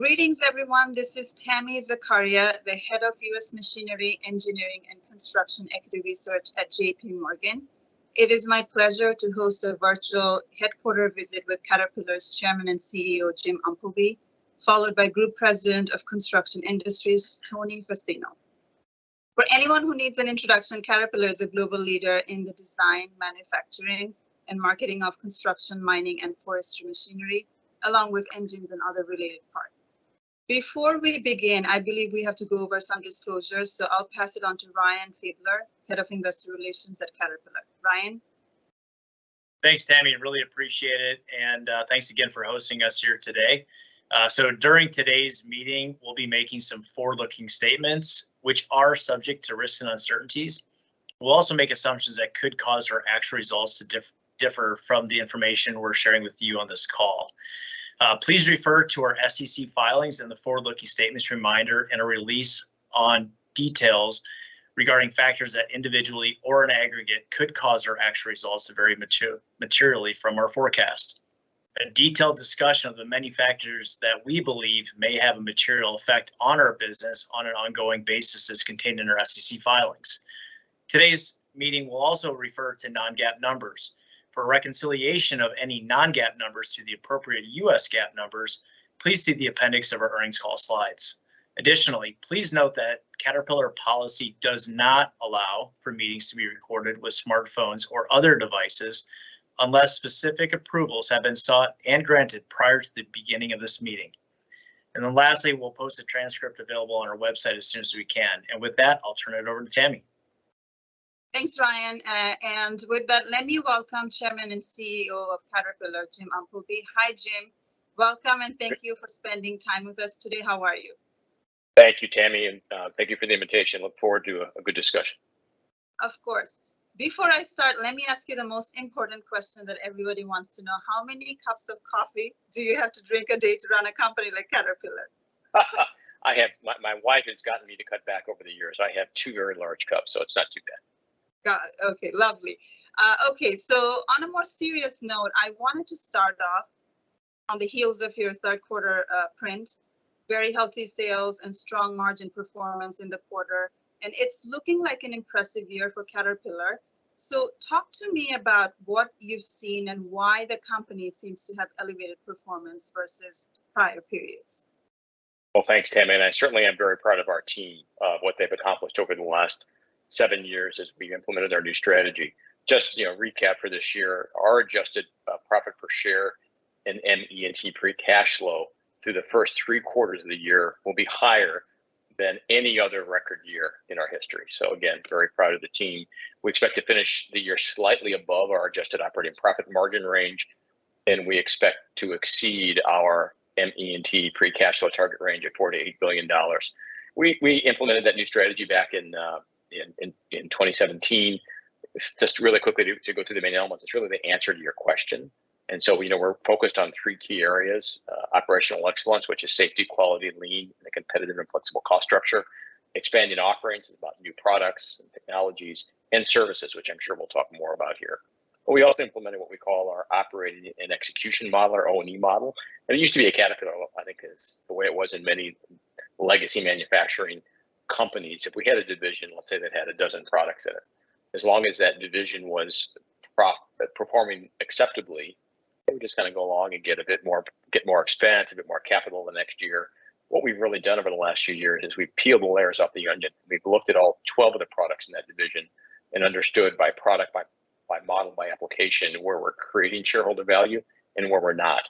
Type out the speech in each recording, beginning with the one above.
Greetings, everyone. This is Tami Zakaria, the Head of US Machinery, Engineering, and Construction Equity Research at J.P. Morgan. It is my pleasure to host a virtual headquarters visit with Caterpillar's Chairman and CEO, Jim Umpleby, followed by Group President of Construction Industries, Tony Fassino. For anyone who needs an introduction, Caterpillar is a global leader in the design, manufacturing, and marketing of construction, mining, and forestry machinery, along with engines and other related parts. Before we begin, I believe we have to go over some disclosures, so I'll pass it on to Ryan Fiedler, Head of Investor Relations at Caterpillar. Ryan? Thanks, Tami, really appreciate it, and thanks again for hosting us here today. So during today's meeting, we'll be making some forward-looking statements, which are subject to risks and uncertainties. We'll also make assumptions that could cause our actual results to differ from the information we're sharing with you on this call. Please refer to our SEC filings and the forward-looking statements reminder in a release on details regarding factors that individually or in aggregate could cause our actual results to vary materially from our forecast. A detailed discussion of the many factors that we believe may have a material effect on our business on an ongoing basis is contained in our SEC filings. Today's meeting will also refer to non-GAAP numbers. For a reconciliation of any non-GAAP numbers to the appropriate U.S. GAAP numbers, please see the appendix of our earnings call slides. Additionally, please note that Caterpillar policy does not allow for meetings to be recorded with smartphones or other devices unless specific approvals have been sought and granted prior to the beginning of this meeting. Then lastly, we'll post a transcript available on our website as soon as we can. With that, I'll turn it over to Tami. Thanks, Ryan, and with that, let me welcome Chairman and CEO of Caterpillar, Jim Umpleby. Hi, Jim. Welcome- Hi- Thank you for spending time with us today. How are you? Thank you, Tami, and thank you for the invitation. Look forward to a good discussion. Of course. Before I start, let me ask you the most important question that everybody wants to know. How many cups of coffee do you have to drink a day to run a company like Caterpillar? My wife has gotten me to cut back over the years. I have two very large cups, so it's not too bad. Got it. Okay, lovely. Okay, so on a more serious note, I wanted to start off on the heels of your third quarter, print. Very healthy sales and strong margin performance in the quarter, and it's looking like an impressive year for Caterpillar. So talk to me about what you've seen and why the company seems to have elevated performance versus prior periods. Well, thanks, Tami, and I certainly am very proud of our team, of what they've accomplished over the last seven years as we've implemented our new strategy. Just, you know, recap for this year, our adjusted profit per share and ME&T free cash flow through the first three quarters of the year will be higher than any other record year in our history. So again, very proud of the team. We expect to finish the year slightly above our adjusted operating profit margin range, and we expect to exceed our ME&T free cash flow target range of $48 billion. We implemented that new strategy back in 2017. Just really quickly to go through the main elements, it's really the answer to your question. And so, you know, we're focused on three key areas: operational excellence, which is safety, quality, and lean, and a competitive and flexible cost structure. Expanding offerings is about new products and technologies, and services, which I'm sure we'll talk more about here. We also implemented what we call our operating and execution model, our O&E model, and it used to be a Caterpillar, I think is the way it was in many legacy manufacturing companies. If we had a division, let's say, that had a dozen products in it, as long as that division was performing acceptably, it would just kind of go along and get a bit more... get more expense, a bit more capital the next year. What we've really done over the last few years is we've peeled the layers off the onion. We've looked at all 12 of the products in that division and understood by product, by model, by application, where we're creating shareholder value and where we're not.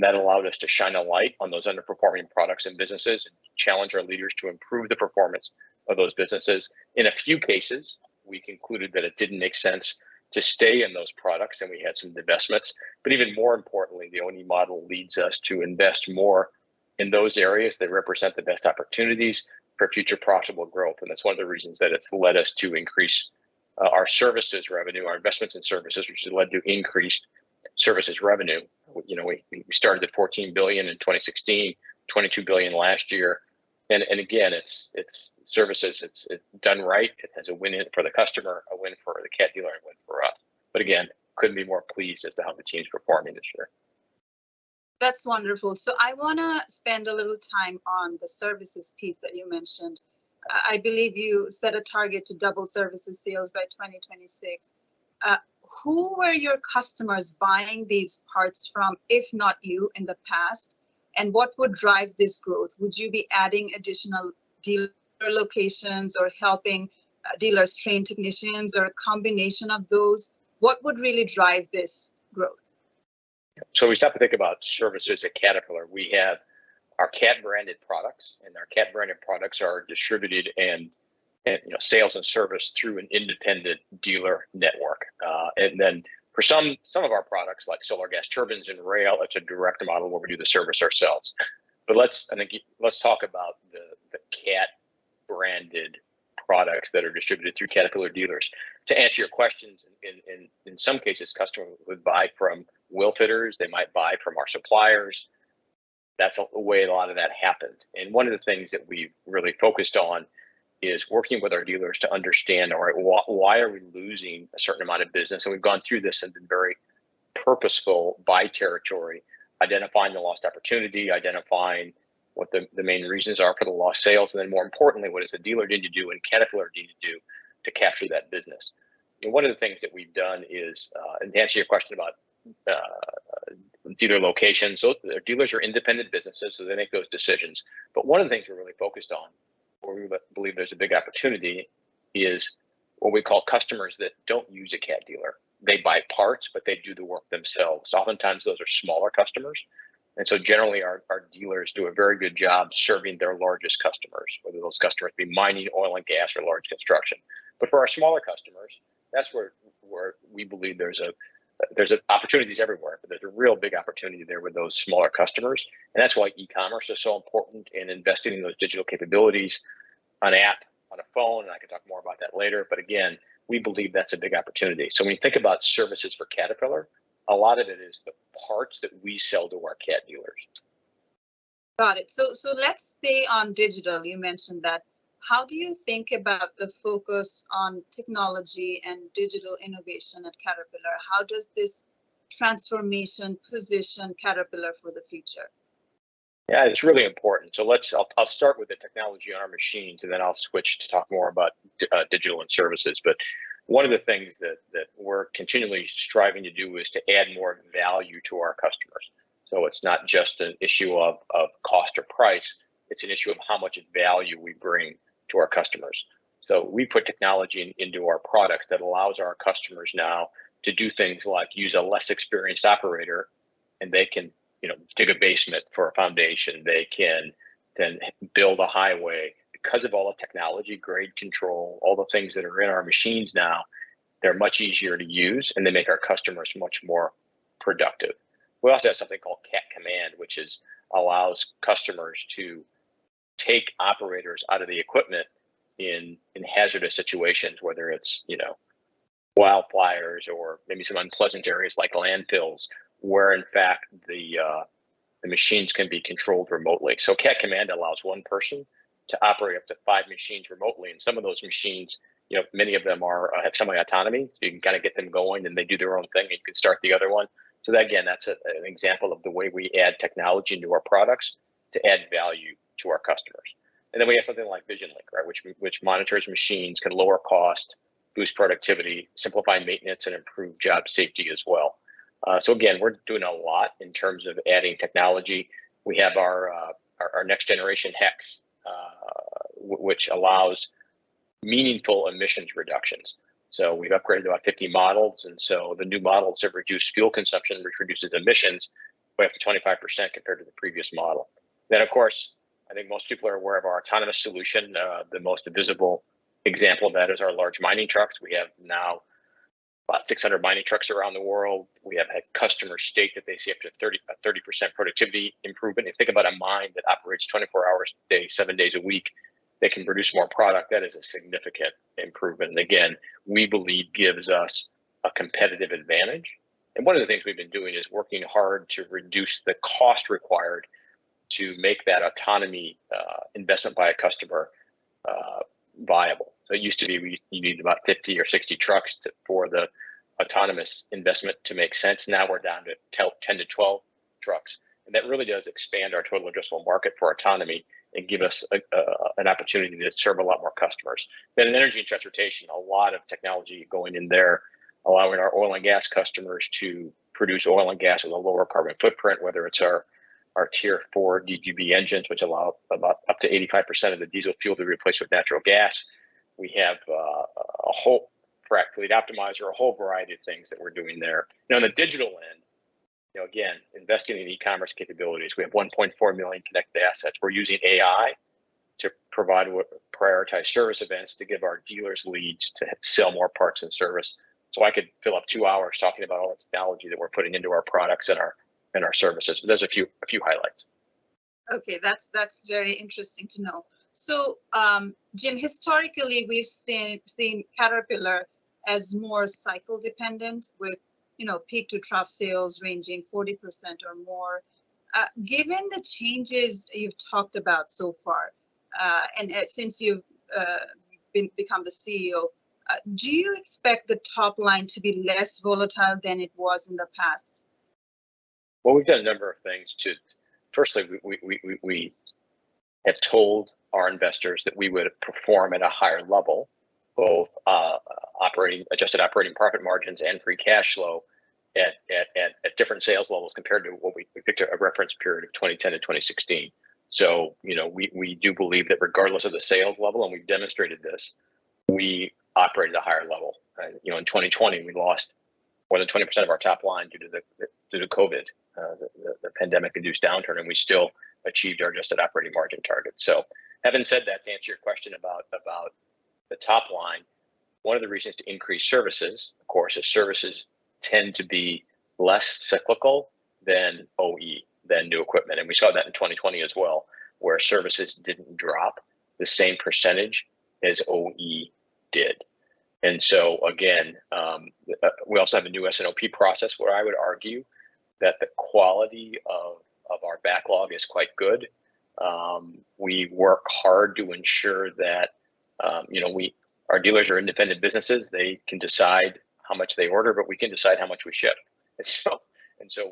That allowed us to shine a light on those underperforming products and businesses, and challenge our leaders to improve the performance of those businesses. In a few cases, we concluded that it didn't make sense to stay in those products, and we had some divestments. Even more importantly, the O&E model leads us to invest more in those areas that represent the best opportunities for future profitable growth, and that's one of the reasons that it's led us to increase our services revenue, our investments in services, which has led to increased services revenue. You know, we started at $14 billion in 2016, $22 billion last year. And again, it's services, it's done right. It's a win for the customer, a win for the Caterpillar, a win for us. Again, couldn't be more pleased as to how the team's performing this year. That's wonderful. So I wanna spend a little time on the services piece that you mentioned. I believe you set a target to double services sales by 2026. Who were your customers buying these parts from, if not you, in the past, and what would drive this growth? Would you be adding additional dealer locations or helping, dealers train technicians, or a combination of those? What would really drive this growth? So we stop to think about services at Caterpillar. We have our Cat-branded products, and our Cat-branded products are distributed and, you know, sales and serviced through an independent dealer network. Then for some of our products, like Solar gas turbines and rail, it's a direct model where we do the service ourselves. Let's talk about the Cat-branded products that are distributed through Caterpillar dealers. To answer your questions, in some cases, customers would buy from wheel fitters. They might buy from our suppliers. That's a way a lot of that happened, and one of the things that we've really focused on is working with our dealers to understand all right, why are we losing a certain amount of business? And we've gone through this and been very-... purposeful by territory, identifying the lost opportunity, identifying what the main reasons are for the lost sales, and then more importantly, what does the dealer need to do and Caterpillar need to do to capture that business? And one of the things that we've done is, and to answer your question about dealer locations, so their dealers are independent businesses, so they make those decisions. One of the things we're really focused on, where we believe there's a big opportunity, is what we call customers that don't use a Cat dealer. They buy parts, but they do the work themselves. Oftentimes, those are smaller customers, and so generally our dealers do a very good job serving their largest customers, whether those customers be mining, oil and gas, or large construction. For our smaller customers, that's where we believe there's a... There's opportunities everywhere, but there's a real big opportunity there with those smaller customers, and that's why e-commerce is so important in investing in those digital capabilities, an app on a phone, and I can talk more about that later. Again, we believe that's a big opportunity. So when you think about services for Caterpillar, a lot of it is the parts that we sell to our Cat dealers. Got it. So, so let's stay on digital. You mentioned that. How do you think about the focus on technology and digital innovation at Caterpillar? How does this transformation position Caterpillar for the future? Yeah, it's really important. So let's, I'll, I'll start with the technology on our machines, and then I'll switch to talk more about digital and services. One of the things that, that we're continually striving to do is to add more value to our customers. So it's not just an issue of, of cost or price, it's an issue of how much value we bring to our customers. So we put technology into our products that allows our customers now to do things like use a less experienced operator, and they can, you know, dig a basement for a foundation. They can then build a highway. Because of all the technology, grade control, all the things that are in our machines now, they're much easier to use, and they make our customers much more productive. We also have something called Cat Command, which is allows customers to take operators out of the equipment in hazardous situations, whether it's, you know, wildfires or maybe some unpleasant areas like landfills, where, in fact, the machines can be controlled remotely. So Cat Command allows one person to operate up to five machines remotely, and some of those machines, you know, many of them have semi-autonomy. So you can kind of get them going, and they do their own thing, and you can start the other one. So that, again, that's an example of the way we add technology into our products to add value to our customers. Then we have something like VisionLink, right? Which monitors machines, can lower cost, boost productivity, simplify maintenance, and improve job safety as well. So again, we're doing a lot in terms of adding technology. We have our next generation HEX, which allows meaningful emissions reductions. So we've upgraded about 50 models, and so the new models have reduced fuel consumption, which reduces emissions by up to 25% compared to the previous model. Then, of course, I think most people are aware of our autonomous solution. The most visible example of that is our large mining trucks. We have now about 600 mining trucks around the world. We have had customers state that they see up to 30% productivity improvement. You think about a mine that operates 24 hours a day, 7 days a week, they can produce more product. That is a significant improvement, and again, we believe gives us a competitive advantage. One of the things we've been doing is working hard to reduce the cost required to make that autonomy investment by a customer viable. So it used to be you needed about 50 or 60 trucks for the autonomous investment to make sense. Now, we're down to 10-12 trucks, and that really does expand our total addressable market for autonomy and give us an opportunity to serve a lot more customers. Then in energy and transportation, a lot of technology going in there, allowing our oil and gas customers to produce oil and gas with a lower carbon footprint, whether it's our Tier 4 DGB engines, which allow about up to 85% of the diesel fuel to be replaced with natural gas. We have a whole fleet optimizer, a whole variety of things that we're doing there. Now, on the digital end, you know, again, investing in e-commerce capabilities, we have 1.4 million connected assets. We're using AI to provide prioritized service events, to give our dealers leads, to sell more parts and service. So I could fill up two hours talking about all the technology that we're putting into our products and our, and our services, but there's a few, a few highlights. Okay. That's very interesting to know. So, Jim, historically, we've seen Caterpillar as more cycle-dependent with, you know, peak-to-trough sales ranging 40% or more. Given the changes you've talked about so far, and since you've become the CEO, do you expect the top line to be less volatile than it was in the past? Well, we've done a number of things to... Firstly, we have told our investors that we would perform at a higher level, both operating adjusted operating profit margins and free cash flow at different sales levels compared to what we... We picked a reference period of 2010 to 2016. So, you know, we do believe that regardless of the sales level, and we've demonstrated this, we operate at a higher level, right? You know, in 2020, we lost more than 20% of our top line due to the due to COVID, the pandemic-induced downturn, and we still achieved our adjusted operating margin target. So having said that, to answer your question about the top line, one of the reasons to increase services, of course, is services tend to be less cyclical than OE, than new equipment. We saw that in 2020 as well, where services didn't drop the same percentage as OE did. So again, we also have a new SNLP process, where I would argue that our backlog is quite good. We work hard to ensure that, you know, our dealers are independent businesses. They can decide how much they order, but we can decide how much we ship. So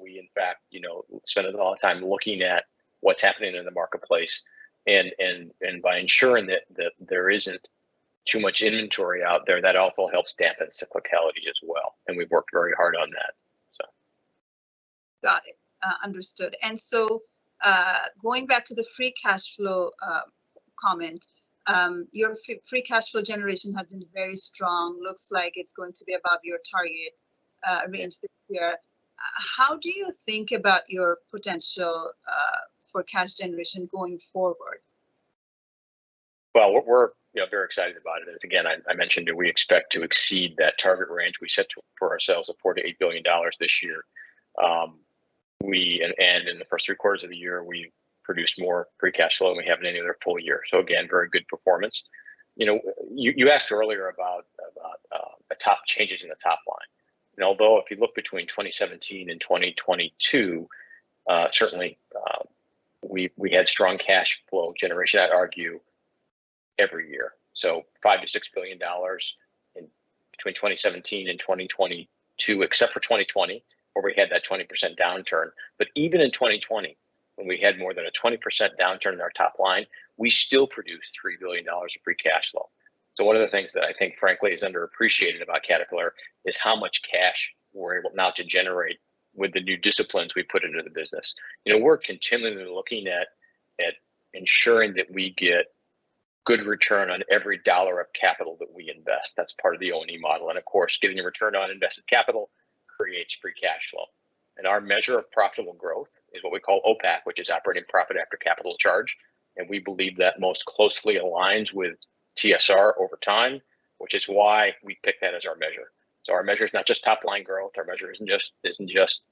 we, in fact, you know, spend a lot of time looking at what's happening in the marketplace, and by ensuring that there isn't too much inventory out there, that also helps dampen cyclicality as well, and we've worked very hard on that, so. Got it. Understood. So, going back to the free cash flow comment, your free cash flow generation has been very strong. Looks like it's going to be above your target range this year. How do you think about your potential for cash generation going forward? Well, we're you know, very excited about it. Again, I mentioned that we expect to exceed that target range we set for ourselves of $4 billion to 8 billion this year. We... In the first three quarters of the year, we've produced more free cash flow than we have in any other full year. So again, very good performance. You know, you asked earlier about the top changes in the top line. Although if you look between 2017 and 2022, certainly we had strong cash flow generation, I'd argue, every year. So $5 billion to 6 billion between 2017 and 2022, except for 2020, where we had that 20% downturn. Even in 2020, when we had more than a 20% downturn in our top line, we still produced $3 billion of free cash flow. So one of the things that I think, frankly, is underappreciated about Caterpillar is how much cash we're able now to generate with the new disciplines we've put into the business. You know, we're continually looking at, at ensuring that we get good return on every dollar of capital that we invest. That's part of the ONE model. Of course, getting a return on invested capital creates free cash flow. Our measure of profitable growth is what we call OPACC, which is operating profit after capital charge, and we believe that most closely aligns with TSR over time, which is why we pick that as our measure. So our measure is not just top-line growth, our measure isn't just, isn't just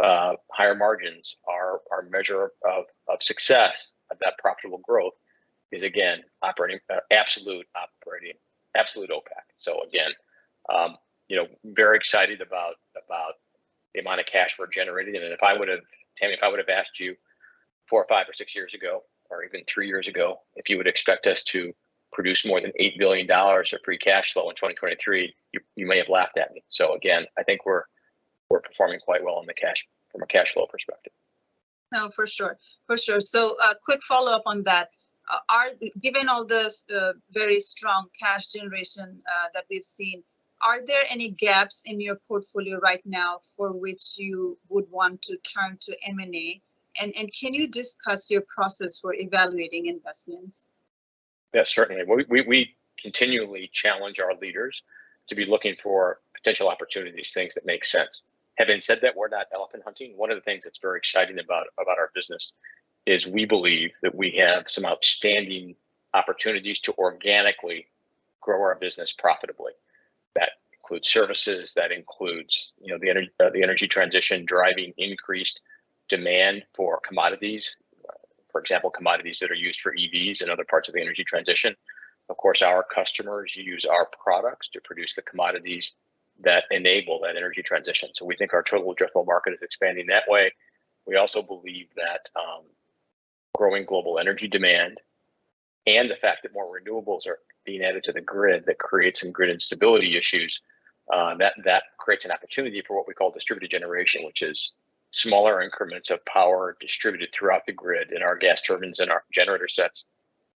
higher margins. Our, our measure of, of success of that profitable growth is, again, operating... absolute operating, absolute OPACC. So again, you know, very excited about the amount of cash we're generating. If I would've asked you 4 or 5 or 6 years ago, or even 3 years ago, if you would expect us to produce more than $8 billion of free cash flow in 2023, you may have laughed at me. So again, I think we're performing quite well on the cash from a cash flow perspective. No, for sure. For sure. So, a quick follow-up on that. Given all the very strong cash generation that we've seen, are there any gaps in your portfolio right now for which you would want to turn to M&A? And can you discuss your process for evaluating investments? Yeah, certainly. Well, we continually challenge our leaders to be looking for potential opportunities, things that make sense. Having said that, we're not elephant hunting. One of the things that's very exciting about our business is we believe that we have some outstanding opportunities to organically grow our business profitably. That includes services, that includes, you know, the energy transition, driving increased demand for commodities. For example, commodities that are used for EVs and other parts of the energy transition. Of course, our customers use our products to produce the commodities that enable that energy transition, so we think our total addressable market is expanding that way. We also believe that growing global energy demand and the fact that more renewables are being added to the grid, that creates some grid instability issues, that creates an opportunity for what we call distributed generation, which is smaller increments of power distributed throughout the grid. Our gas turbines and our generator sets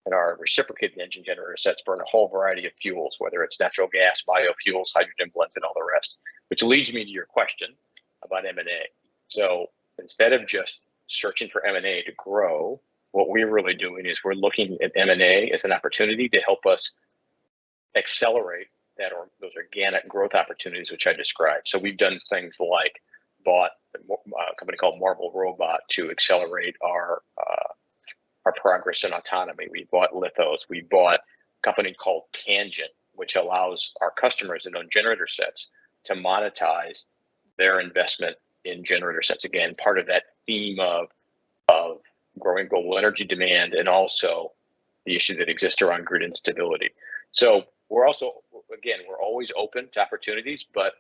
and our reciprocating engine generator sets burn a whole variety of fuels, whether it's natural gas, biofuels, hydrogen blends, and all the rest. Which leads me to your question about M&A. So instead of just searching for M&A to grow, what we're really doing is we're looking at M&A as an opportunity to help us accelerate that those organic growth opportunities which I described. So we've done things like bought a company called Marble Robot to accelerate our progress in autonomy. We bought Lithos. We bought a company called Tangent, which allows our customers that own generator sets to monetize their investment in generator sets. Again, part of that theme of growing global energy demand and also the issue that exists around grid instability. So we're also... Again, we're always open to opportunities, but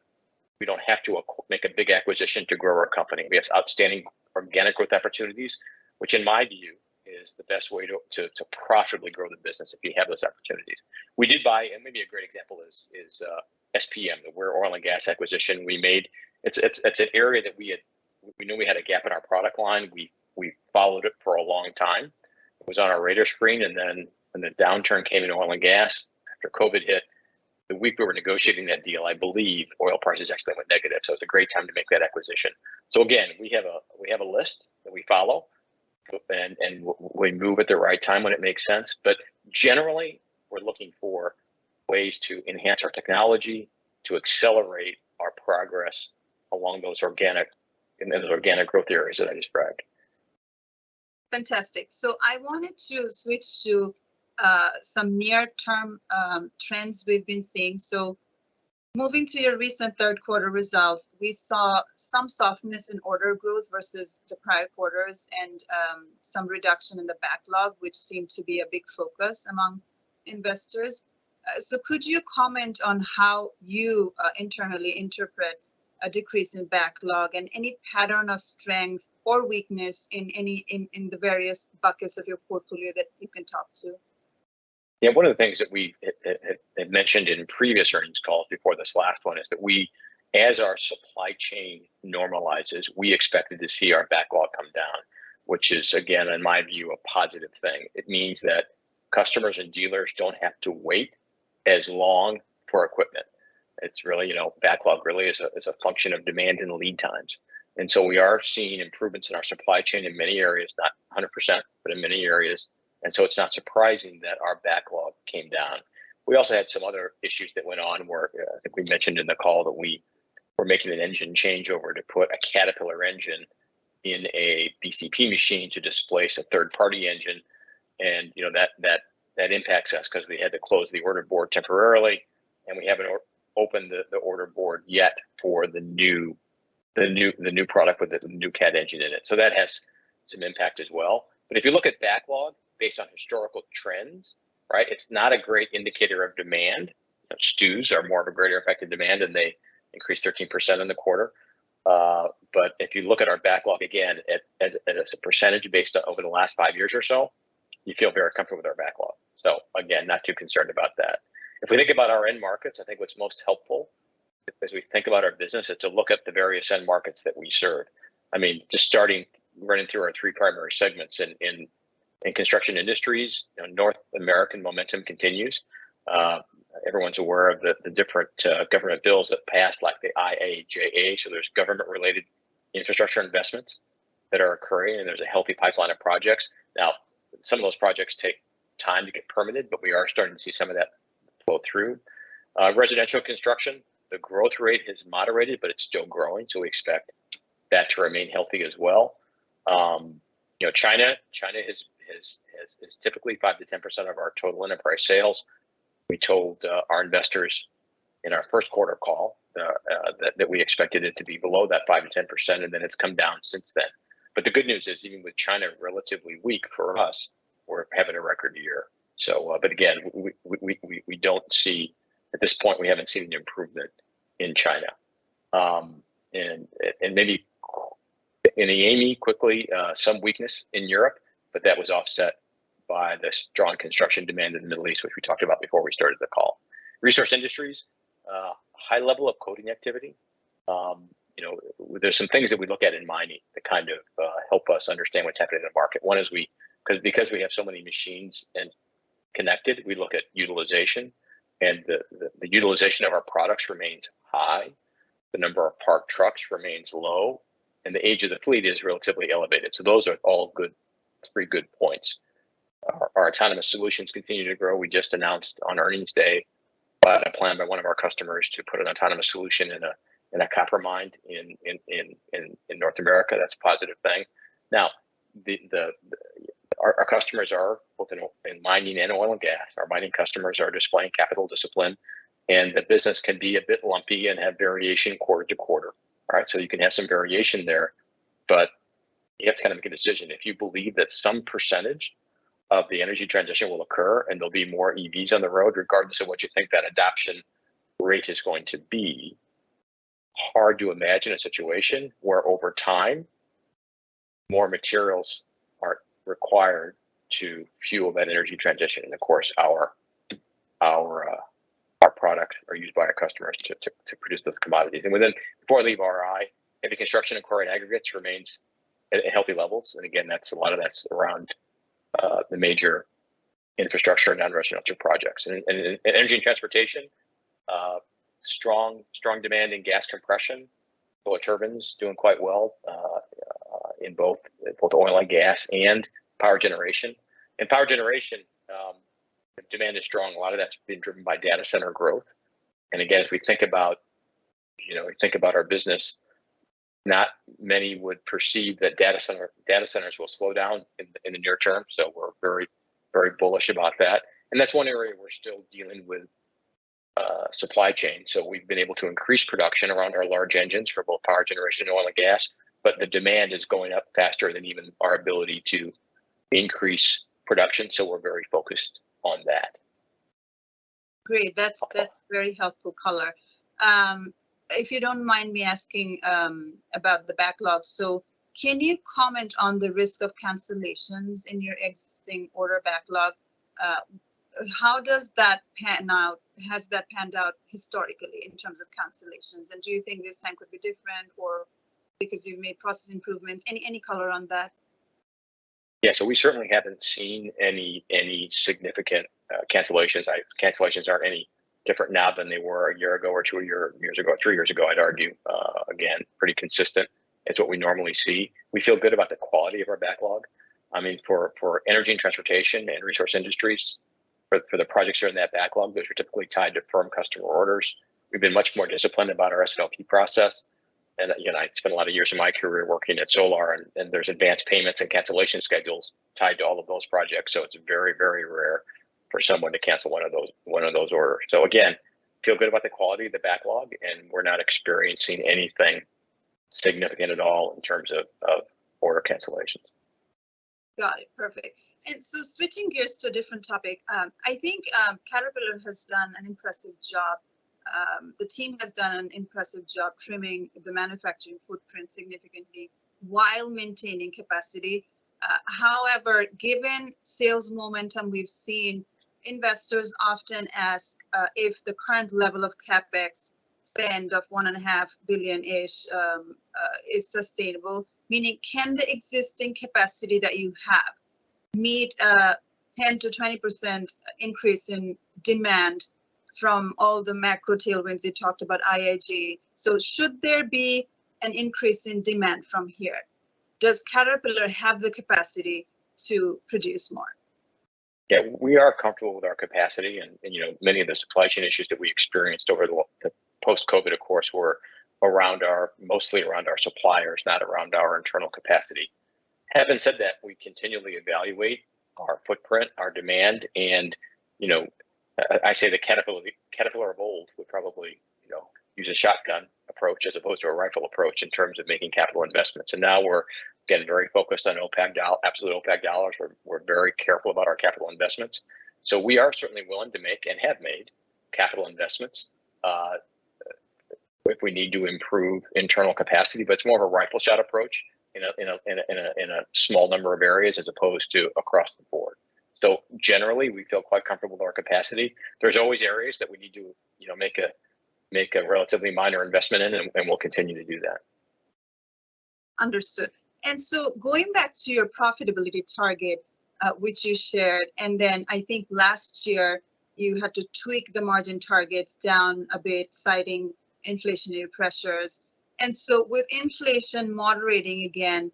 we don't have to make a big acquisition to grow our company. We have outstanding organic growth opportunities, which, in my view, is the best way to profitably grow the business if you have those opportunities. We did buy, and maybe a great example is SPM, the oil and gas acquisition we made. It's an area that we knew we had a gap in our product line. We followed it for a long time. It was on our radar screen, and then when the downturn came in oil and gas, after COVID hit, the week we were negotiating that deal, I believe oil prices actually went negative, so it was a great time to make that acquisition. So again, we have a, we have a list that we follow, and we move at the right time when it makes sense. Generally, we're looking for ways to enhance our technology, to accelerate our progress along those organic, in those organic growth areas that I described. Fantastic. I wanted to switch to some near-term trends we've been seeing. Moving to your recent third quarter results, we saw some softness in order growth versus the prior quarters and some reduction in the backlog, which seemed to be a big focus among investors. Could you comment on how you internally interpret a decrease in backlog and any pattern of strength or weakness in any the various buckets of your portfolio that you can talk to? Yeah, one of the things that we had mentioned in previous earnings calls before this last one is that we, as our supply chain normalizes, we expected to see our backlog come down, which is, again, in my view, a positive thing. It means that customers and dealers don't have to wait as long for equipment. It's really, you know, backlog really is a function of demand and lead times. So we are seeing improvements in our supply chain in many areas, not 100%, but in many areas, and so it's not surprising that our backlog came down. We also had some other issues that went on where, I think we mentioned in the call that we were making an engine changeover to put a Caterpillar engine in a BCP machine to displace a third-party engine. You know, that impacts us 'cause we had to close the order board temporarily, and we haven't opened the order board yet for the new product with the new Cat engine in it. So that has some impact as well. If you look at backlog based on historical trends, right, it's not a great indicator of demand. STUs are more of a greater effect of demand, and they increased 13% in the quarter. If you look at our backlog again, as a percentage based on over the last five years or so, you feel very comfortable with our backlog. So again, not too concerned about that. If we think about our end markets, I think what's most helpful, as we think about our business, is to look at the various end markets that we serve. I mean, just starting running through our three primary segments. In construction industries, you know, North American momentum continues. Everyone's aware of the different government bills that passed, like the IIJA. So there's government-related infrastructure investments that are occurring, and there's a healthy pipeline of projects. Now, some of those projects take time to get permitted, but we are starting to see some of that flow through. Residential construction, the growth rate has moderated, but it's still growing, so we expect that to remain healthy as well. You know, China is typically 5%-10% of our total enterprise sales. We told our investors in our first quarter call that we expected it to be below that 5% to 10, and then it's come down since then. But the good news is, even with China relatively weak for us, we're having a record year. So, but again, we don't see... at this point, we haven't seen an improvement in China. Maybe in AME, quickly, some weakness in Europe, but that was offset by the strong construction demand in the Middle East, which we talked about before we started the call. Resource Industries, high level of loading activity. You know, there's some things that we look at in mining that kind of help us understand what's happening in the market. One is because we have so many machines and connected, we look at utilization, and the utilization of our products remains high. The number of parked trucks remains low, and the age of the fleet is relatively elevated. So those are all good, three good points. Our autonomous solutions continue to grow. We just announced on earnings day about a plan by one of our customers to put an autonomous solution in a copper mine in North America. That's a positive thing. Now, our customers are both in mining and oil and gas. Our mining customers are displaying capital discipline, and the business can be a bit lumpy and have variation quarter to quarter. Right? So you can have some variation there, but you have to kind of make a decision. If you believe that some percentage of the energy transition will occur, and there'll be more EVs on the road, regardless of what you think that adoption rate is going to be, hard to imagine a situation where over time, more materials are required to fuel that energy transition. Of course, our products are used by our customers to produce those commodities. Before I leave RI, heavy construction and quarry aggregates remains at healthy levels. Again, that's a lot of that around the major infrastructure, non-residential projects. Energy and transportation, strong demand in gas compression. Turbo turbines doing quite well in both oil and gas and power generation. In power generation, demand is strong. A lot of that's been driven by data center growth. Again, if we think about, you know, we think about our business, not many would perceive that data centers will slow down in the near term. So we're very, very bullish about that. That's one area we're still dealing with supply chain. So we've been able to increase production around our large engines for both power generation, oil and gas, but the demand is going up faster than even our ability to increase production, so we're very focused on that. Great. That's very helpful color. If you don't mind me asking, about the backlog. So can you comment on the risk of cancellations in your existing order backlog? How does that pan out? Has that panned out historically in terms of cancellations? And do you think this time could be different, or because you've made process improvements? Any color on that? Yeah. So we certainly haven't seen any significant cancellations. Cancellations aren't any different now than they were a year ago or two years ago, three years ago, I'd argue. Again, pretty consistent. It's what we normally see. We feel good about the quality of our backlog. I mean, for Energy and Transportation and Resource Industries, for the projects that are in that backlog, those are typically tied to firm customer orders. We've been much more disciplined about our SLP process. You know, I spent a lot of years of my career working at Solar, and there's advanced payments and cancellation schedules tied to all of those projects, so it's very, very rare for someone to cancel one of those orders. So again, feel good about the quality of the backlog, and we're not experiencing anything significant at all in terms of order cancellations.... Got it. Perfect. So switching gears to a different topic, I think, Caterpillar has done an impressive job. The team has done an impressive job trimming the manufacturing footprint significantly while maintaining capacity. However, given sales momentum, we've seen investors often ask, if the current level of CapEx spend of $1.5 billion-ish is sustainable, meaning can the existing capacity that you have meet a 10% to 20 increase in demand from all the macro tailwinds? You talked about IIJA. So should there be an increase in demand from here, does Caterpillar have the capacity to produce more? Yeah, we are comfortable with our capacity, and you know, many of the supply chain issues that we experienced over the post-COVID, of course, were mostly around our suppliers, not around our internal capacity. Having said that, we continually evaluate our footprint, our demand, and, you know, I say the Caterpillar of old would probably, you know, use a shotgun approach as opposed to a rifle approach in terms of making capital investments. Now we're getting very focused on absolute OpEx dollars. We're very careful about our capital investments. So we are certainly willing to make, and have made, capital investments, if we need to improve internal capacity. It's more of a rifle shot approach in a small number of areas, as opposed to across the board. So generally, we feel quite comfortable with our capacity. There's always areas that we need to, you know, make a relatively minor investment in, and we'll continue to do that. Understood. So going back to your profitability target, which you shared, and then I think last year you had to tweak the margin targets down a bit, citing inflationary pressures. So with inflation moderating again,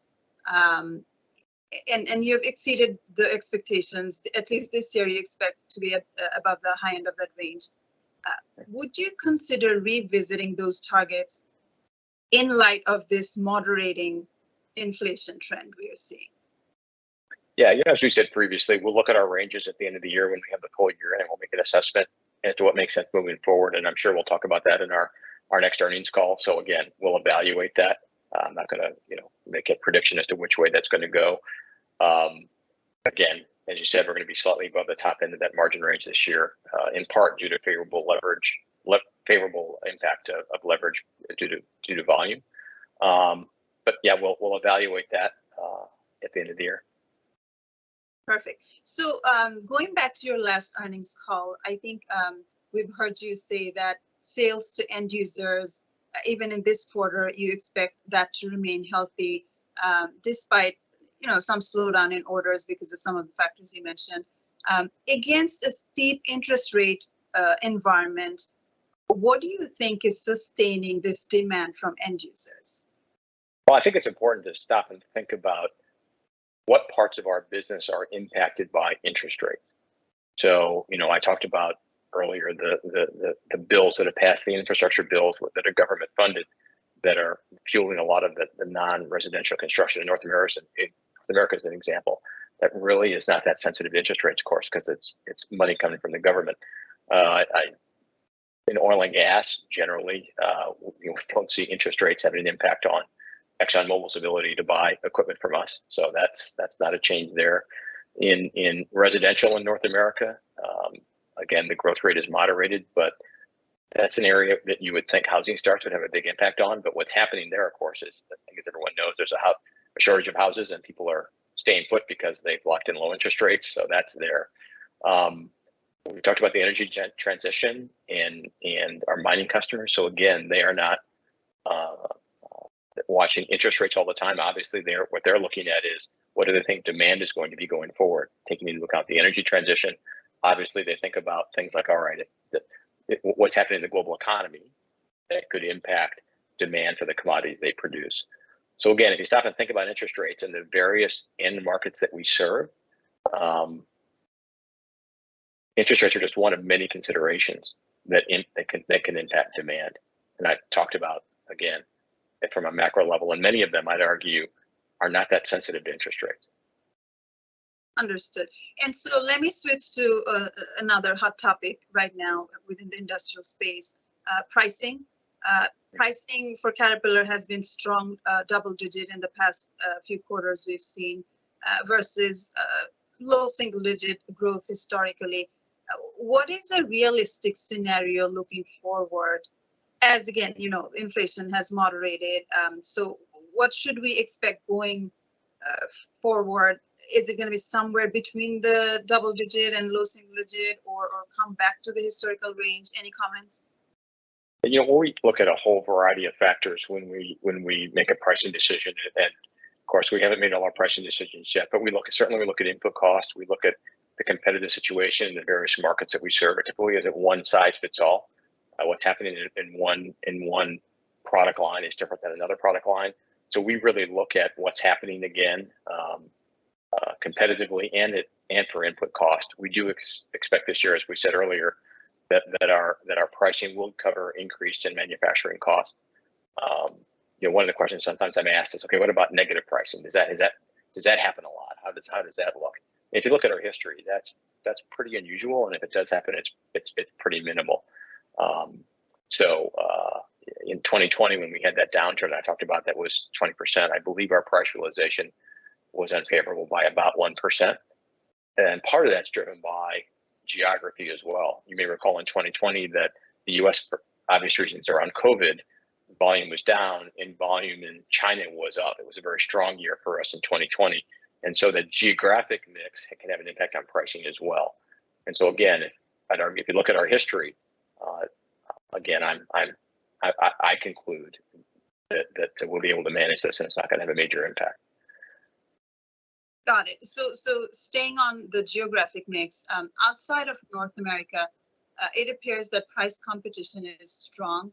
and you've exceeded the expectations, at least this year, you expect to be at above the high end of that range. Would you consider revisiting those targets in light of this moderating inflation trend we are seeing? Yeah, yeah, as we said previously, we'll look at our ranges at the end of the year when we have the full year, and we'll make an assessment as to what makes sense moving forward. I'm sure we'll talk about that in our next earnings call. So again, we'll evaluate that. I'm not gonna, you know, make a prediction as to which way that's gonna go. Again, as you said, we're gonna be slightly above the top end of that margin range this year, in part due to favorable leverage, favorable impact of leverage due to volume. Yeah, we'll evaluate that at the end of the year. Perfect. So, going back to your last earnings call, I think, we've heard you say that sales to end users, even in this quarter, you expect that to remain healthy, despite, you know, some slowdown in orders because of some of the factors you mentioned. Against a steep interest rate environment, what do you think is sustaining this demand from end users? Well, I think it's important to stop and think about what parts of our business are impacted by interest rates. So, you know, I talked about earlier the bills that have passed, the infrastructure bills that are government-funded, that are fueling a lot of the non-residential construction in North America. America is an example that really is not that sensitive to interest rates, of course, 'cause it's money coming from the government. In oil and gas, generally, we don't see interest rates having an impact on ExxonMobil's ability to buy equipment from us, so that's not a change there. In residential in North America, again, the growth rate is moderated, but that's an area that you would think housing starts would have a big impact on. But what's happening there, of course, is, I think as everyone knows, there's a shortage of houses, and people are staying put because they've locked in low interest rates, so that's there. We talked about the energy transition and our mining customers, so again, they are not watching interest rates all the time. Obviously, what they're looking at is, what do they think demand is going to be going forward, taking into account the energy transition. Obviously, they think about things like, all right, what's happening in the global economy that could impact demand for the commodities they produce. So again, if you stop and think about interest rates and the various end markets that we serve, interest rates are just one of many considerations that can impact demand. I've talked about, again, from a macro level, and many of them, I'd argue, are not that sensitive to interest rates. Understood. So let me switch to another hot topic right now within the industrial space: pricing. Pricing for Caterpillar has been strong, double-digit in the past few quarters we've seen, versus low single-digit growth historically. What is a realistic scenario looking forward, as again, you know, inflation has moderated, so what should we expect going forward? Is it gonna be somewhere between the double-digit and low single-digit or, or come back to the historical range? Any comments? You know, we look at a whole variety of factors when we make a pricing decision, and of course, we haven't made all our pricing decisions yet. We certainly look at input costs, we look at the competitive situation in the various markets that we serve. Typically, it isn't one size fits all. What's happening in one product line is different than another product line. So we really look at what's happening again, competitively and for input cost. We do expect this year, as we said earlier, that our pricing will cover increase in manufacturing cost. You know, one of the questions sometimes I'm asked is, "Okay, what about negative pricing? Is that- does that happen a lot? How does that look?" If you look at our history, that's pretty unusual, and if it does happen, it's pretty minimal. So, in 2020, when we had that downturn I talked about, that was 20%. I believe our price realization was unfavorable by about 1%, and part of that's driven by geography as well. You may recall in 2020 that the U.S., for obvious reasons, around COVID, volume was down, and volume in China was up. It was a very strong year for us in 2020, and so the geographic mix can have an impact on pricing as well. So again, I'd argue, if you look at our history, again, I conclude that we'll be able to manage this, and it's not gonna have a major impact. Got it. So staying on the geographic mix, outside of North America, it appears that price competition is strong.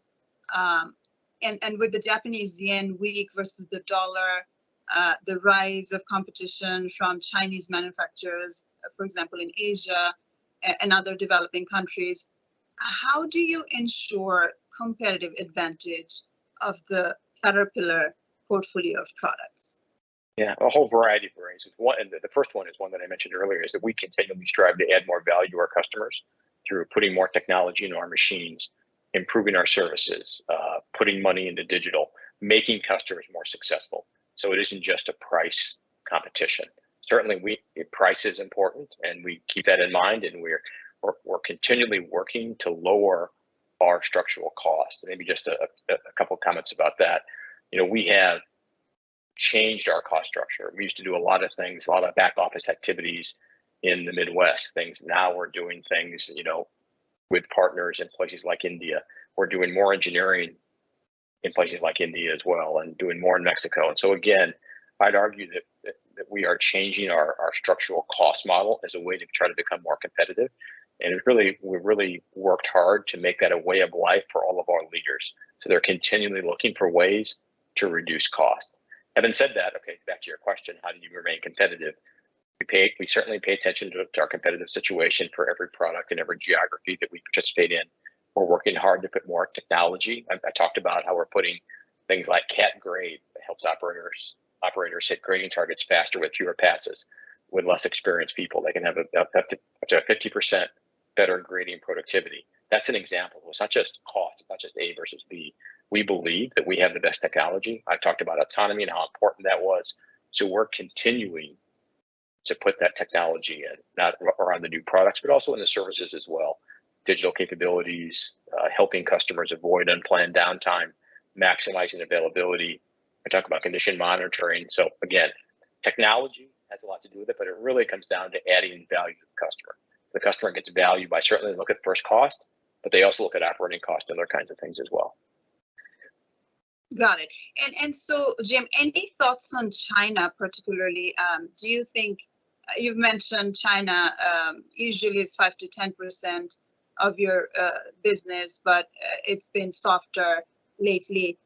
With the Japanese yen weak versus the dollar, the rise of competition from Chinese manufacturers, for example, in Asia and other developing countries, how do you ensure competitive advantage of the Caterpillar portfolio of products? Yeah, a whole variety of reasons. One, and the first one is one that I mentioned earlier, is that we continually strive to add more value to our customers through putting more technology into our machines, improving our services, putting money into digital, making customers more successful. So it isn't just a price competition. Certainly, we... price is important, and we keep that in mind, and we're continually working to lower our structural cost. Maybe just a couple comments about that. You know, we have changed our cost structure. We used to do a lot of things, a lot of back office activities in the Midwest, things. Now we're doing things, you know, with partners in places like India. We're doing more engineering in places like India as well, and doing more in Mexico. And so again, I'd argue that we are changing our structural cost model as a way to try to become more competitive. It really, we've really worked hard to make that a way of life for all of our leaders, so they're continually looking for ways to reduce cost. Having said that, okay, back to your question, how do you remain competitive? We pay... We certainly pay attention to our competitive situation for every product and every geography that we participate in. We're working hard to put more technology. I talked about how we're putting things like Cat Grade that helps operators hit grading targets faster with fewer passes, with less experienced people. They can have up to 50% better grading productivity. That's an example. It's not just cost, it's not just A versus B. We believe that we have the best technology. I talked about autonomy and how important that was. So we're continuing to put that technology in, not around the new products, but also in the services as well. Digital capabilities, helping customers avoid unplanned downtime, maximizing availability. I talked about condition monitoring. So again, technology has a lot to do with it, but it really comes down to adding value to the customer. The customer gets value by certainly look at first cost, but they also look at operating costs and other kinds of things as well. Got it. So, Jim, any thoughts on China particularly? Do you think... You've mentioned China, usually is 5% to 10 of your business, but it's been softer lately.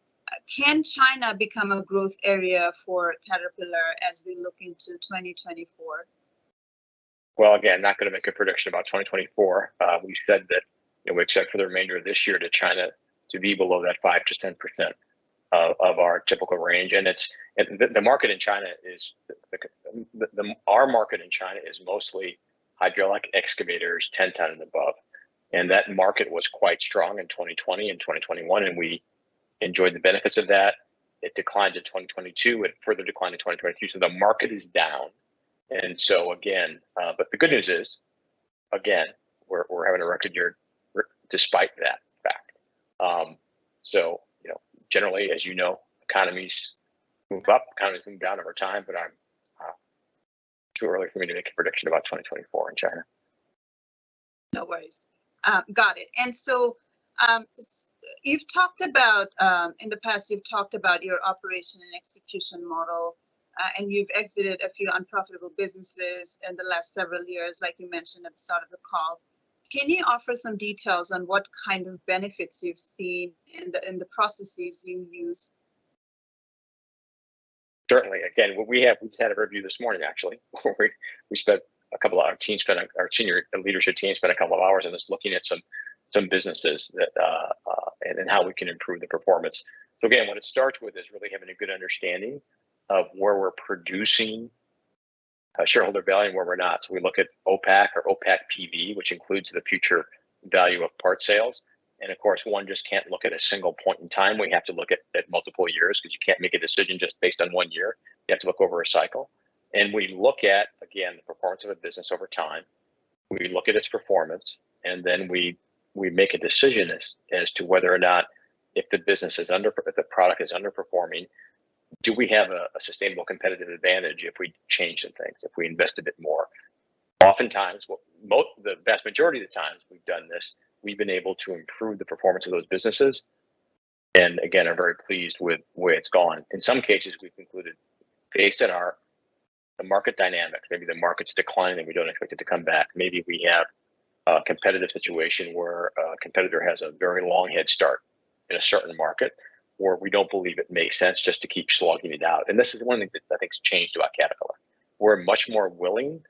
Can China become a growth area for Caterpillar as we look into 2024? Well, again, not gonna make a prediction about 2024. We said that, you know, we expect for the remainder of this year to China to be below that 5% to 10 of our typical range. The market in China is... Our market in China is mostly hydraulic excavators, 10-ton and above, and that market was quite strong in 2020 and 2021, and we enjoyed the benefits of that. It declined in 2022. It further declined in 2023, so the market is down. So again... The good news is, again, we're having a record year despite that fact. So, you know, generally, as you know, economies move up, economies move down over time, but I'm too early for me to make a prediction about 2024 in China. No worries. Got it. So, you've talked about, in the past, you've talked about your Operating and Execution model, and you've exited a few unprofitable businesses in the last several years, like you mentioned at the start of the call. Can you offer some details on what kind of benefits you've seen and the processes you use? Certainly. Again, what we have... We've had a review this morning, actually, where we spent a couple of hours. Our leadership team spent a couple of hours in this, looking at some businesses and then how we can improve the performance. So again, what it starts with is really having a good understanding of where we're producing shareholder value and where we're not. So we look at OPAC or OPAC PV, which includes the future value of part sales. Of course, one just can't look at a single point in time. We have to look at multiple years, 'cause you can't make a decision just based on one year. You have to look over a cycle. We look at, again, the performance of a business over time. We look at its performance, and then we make a decision as to whether or not if the product is underperforming, do we have a sustainable competitive advantage if we change some things, if we invest a bit more? Oftentimes, the vast majority of the times we've done this, we've been able to improve the performance of those businesses, and again, are very pleased with where it's gone. In some cases, we've concluded, based on the market dynamics, maybe the market's declining, and we don't expect it to come back. Maybe we have a competitive situation where a competitor has a very long head start in a certain market, or we don't believe it makes sense just to keep slogging it out. This is one of the things that I think has changed about Caterpillar. We're much more willing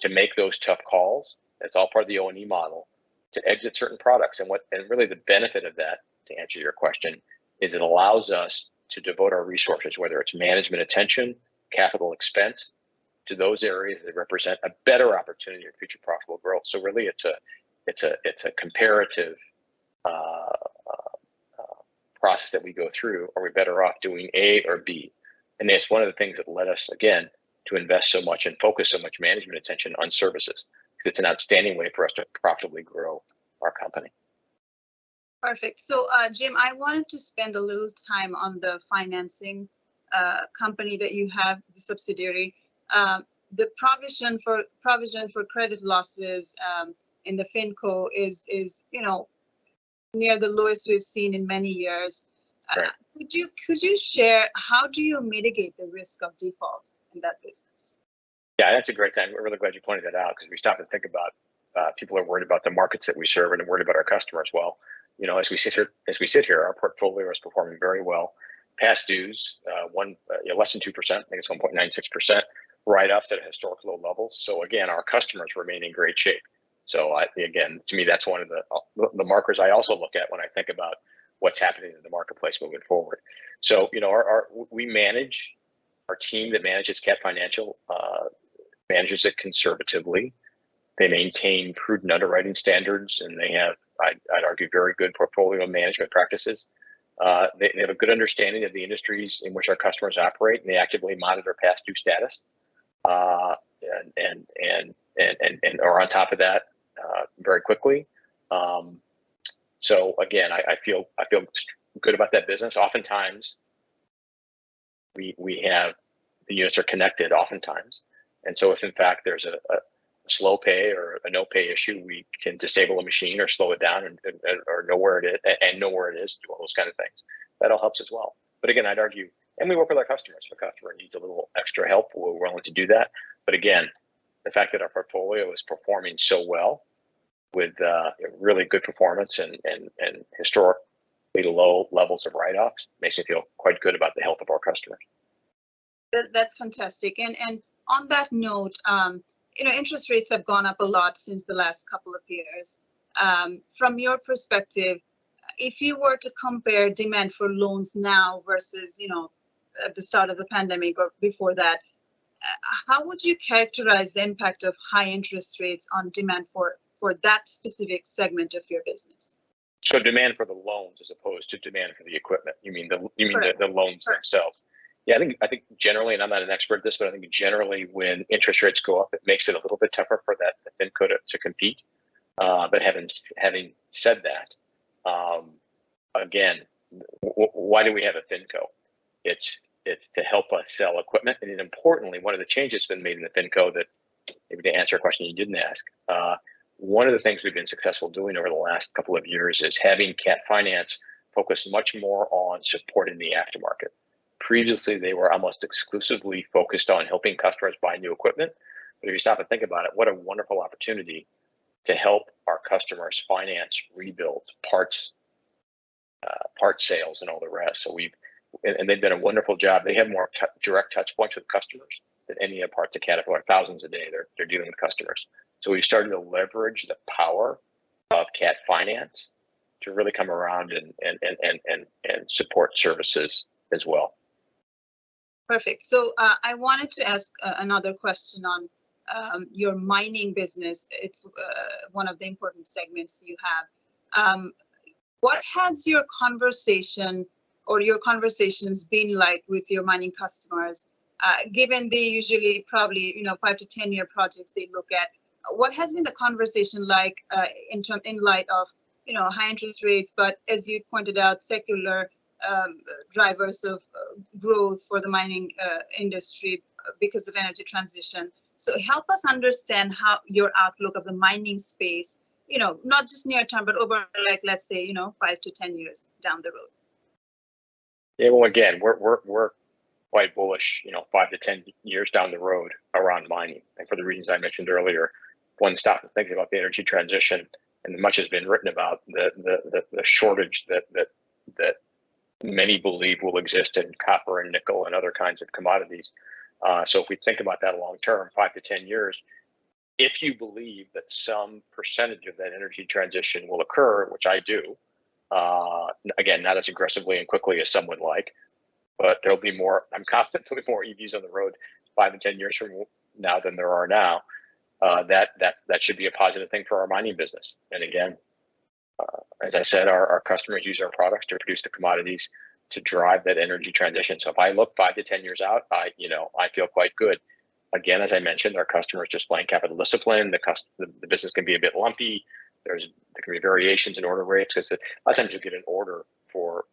to make those tough calls, that's all part of the O&E model, to exit certain products. Really, the benefit of that, to answer your question, is it allows us to devote our resources, whether it's management attention, capital expense to those areas that represent a better opportunity for future profitable growth. So really, it's a comparative process that we go through. Are we better off doing A or B? And that's one of the things that led us, again, to invest so much and focus so much management attention on services, because it's an outstanding way for us to profitably grow our company. Perfect. So, Jim, I wanted to spend a little time on the financing company that you have, the subsidiary. The provision for credit losses in the FinCo is, you know, near the lowest we've seen in many years. Right. Could you share how do you mitigate the risk of default in that business? Yeah, that's a great question. We're really glad you pointed that out, 'cause we stop to think about, people are worried about the markets that we serve and they're worried about our customers as well. You know, as we sit here, as we sit here, our portfolio is performing very well. Past dues, less than 2%, I think it's 1.96%. Write-offs are at historical low levels, so again, our customers remain in great shape. So again, to me, that's one of the, the markers I also look at when I think about what's happening in the marketplace moving forward. So, you know, our... We manage, our team that manages Cat Financial, manages it conservatively. They maintain prudent underwriting standards, and they have, I'd argue, very good portfolio management practices. They have a good understanding of the industries in which our customers operate, and they actively monitor past due status and are on top of that very quickly. So again, I feel good about that business. Oftentimes, the units are connected oftentimes, and so if in fact, there's a slow pay or a no pay issue, we can disable a machine or slow it down and or know where it is and know where it is to do all those kind of things. That all helps as well. Again, I'd argue... We work with our customers. If a customer needs a little extra help, we're willing to do that. But again, the fact that our portfolio is performing so well with really good performance and historically low levels of write-offs makes me feel quite good about the health of our customers. That, that's fantastic. On that note, you know, interest rates have gone up a lot since the last couple of years. From your perspective, if you were to compare demand for loans now versus, you know, at the start of the pandemic or before that, how would you characterize the impact of high interest rates on demand for that specific segment of your business? So demand for the loans as opposed to demand for the equipment? You mean the- Correct... you mean the loans themselves? Correct. Yeah, I think generally, and I'm not an expert at this, but I think generally when interest rates go up, it makes it a little bit tougher for that FinCo to compete. Having said that, again, why do we have a FinCo? It's to help us sell equipment. Importantly, one of the changes that's been made in the FinCo that, maybe to answer a question you didn't ask, one of the things we've been successful doing over the last couple of years is having Cat Financial focus much more on supporting the aftermarket. Previously, they were almost exclusively focused on helping customers buy new equipment. If you stop and think about it, what a wonderful opportunity to help our customers finance rebuilds, parts, parts sales, and all the rest. So we've... They've done a wonderful job. They have more direct touch points with customers than any of parts of Caterpillar. Thousands a day, they're dealing with customers. So we've started to leverage the power of Cat Financial to really come around and support services as well. Perfect. So, I wanted to ask another question on your mining business. It's one of the important segments you have. What has your conversation or your conversations been like with your mining customers? Given the usually probably, you know, 5-10-year projects they look at, what has been the conversation like in light of, you know, high interest rates, but as you pointed out, secular drivers of growth for the mining industry because of energy transition? So help us understand your outlook of the mining space, you know, not just near term, but over, like, let's say, you know, 5-10 years down the road. Yeah, well, again, we're quite bullish, you know, 5-10 years down the road around mining, and for the reasons I mentioned earlier. One, stop to think about the energy transition, and much has been written about the shortage that many believe will exist in copper and nickel and other kinds of commodities. So if we think about that long term, 5-10 years, if you believe that some percentage of that energy transition will occur, which I do, again, not as aggressively and quickly as some would like, but there'll be more... I'm confident there'll be more EVs on the road 5-10 years from now than there are now. That should be a positive thing for our mining business. And again, as I said, our customers use our products to produce the commodities to drive that energy transition. So if I look 5-10 years out, I, you know, I feel quite good. Again, as I mentioned, our customers just playing capital discipline. The, the business can be a bit lumpy. There's, there can be variations in order rates, 'cause sometimes you'll get an order for,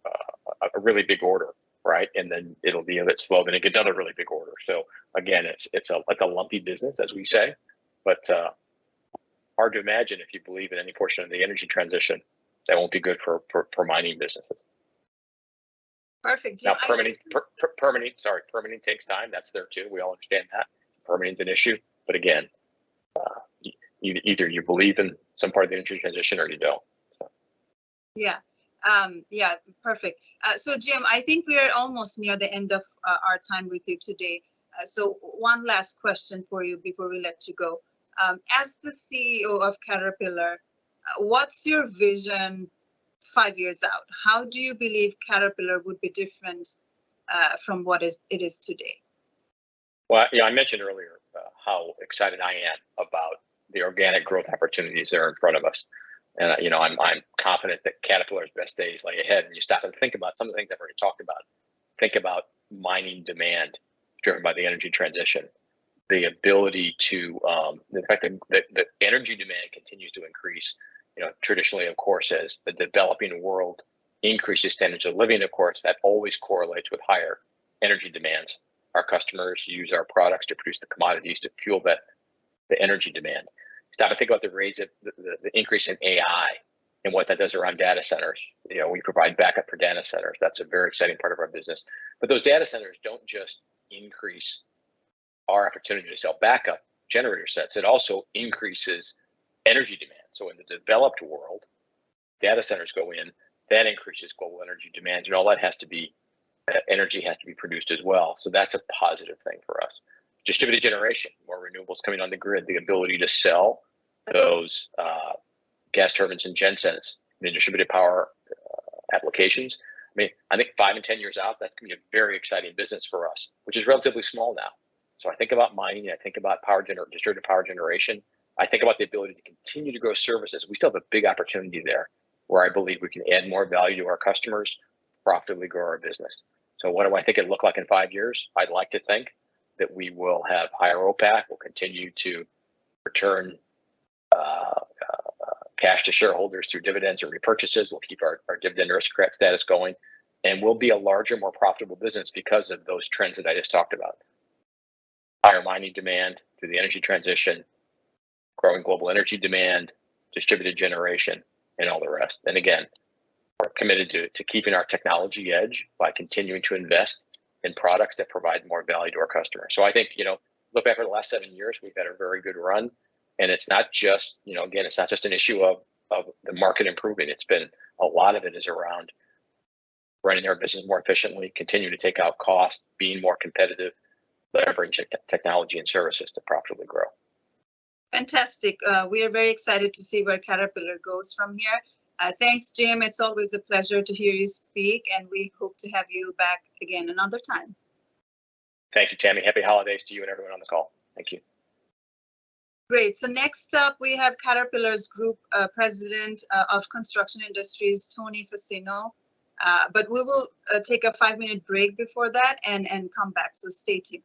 a really big order, right? And then it'll be a bit slow, then you get another really big order. So again, it's, it's a, like a lumpy business, as we say. Hard to imagine if you believe in any portion of the energy transition, that won't be good for, for, for mining businesses. Perfect. Now, permitting, sorry, permitting takes time. That's there, too. We all understand that. Permitting is an issue, but again, either you believe in some part of the energy transition or you don't, so. Yeah. Yeah, perfect. So Jim, I think we are almost near the end of our time with you today. So one last question for you before we let you go. As the CEO of Caterpillar, what's your vision five years out? How do you believe Caterpillar would be different from what it is today? Well, you know, I mentioned earlier how excited I am about the organic growth opportunities that are in front of us. You know, I'm confident that Caterpillar's best days lay ahead, when you stop and think about some of the things I've already talked about. Think about mining demand driven by the energy transition, the ability to the fact that energy demand continues to increase, you know, traditionally, of course, as the developing world increases standard of living, of course, that always correlates with higher energy demands. Our customers use our products to produce the commodities to fuel the energy demand. Stop to think about the rates of the increase in AI and what that does around data centers. You know, we provide backup for data centers. That's a very exciting part of our business. But those data centers don't just increase our opportunity to sell backup generator sets, it also increases energy demand. So in the developed world, data centers go in, that increases global energy demand, and all that has to be, energy has to be produced as well. So that's a positive thing for us. Distributed generation, more renewables coming on the grid, the ability to sell those, gas turbines and gensets in distributed power applications. I mean, I think 5 and 10 years out, that's gonna be a very exciting business for us, which is relatively small now. So I think about mining, I think about distributed power generation, I think about the ability to continue to grow services. We still have a big opportunity there, where I believe we can add more value to our customers, profitably grow our business. So what do I think it'll look like in five years? I'd like to think that we will have higher OPAC. We'll continue to return cash to shareholders through dividends or repurchases. We'll keep our Dividend Aristocrat status going, and we'll be a larger, more profitable business because of those trends that I just talked about. Higher mining demand through the energy transition, growing global energy demand, distributed generation, and all the rest. Again, we're committed to keeping our technology edge by continuing to invest in products that provide more value to our customers. So I think, you know, looking back over the last seven years, we've had a very good run, and it's not just, you know, again, it's not just an issue of the market improving. It's been... A lot of it is around running our business more efficiently, continuing to take out cost, being more competitive, delivering technology and services to profitably grow. Fantastic! We are very excited to see where Caterpillar goes from here. Thanks, Jim. It's always a pleasure to hear you speak, and we hope to have you back again another time. Thank you, Tami. Happy holidays to you and everyone on the call. Thank you. Great. So next up, we have Caterpillar's Group President of Construction Industries, Tony Fassino. We will take a five-minute break before that and come back, so stay tuned.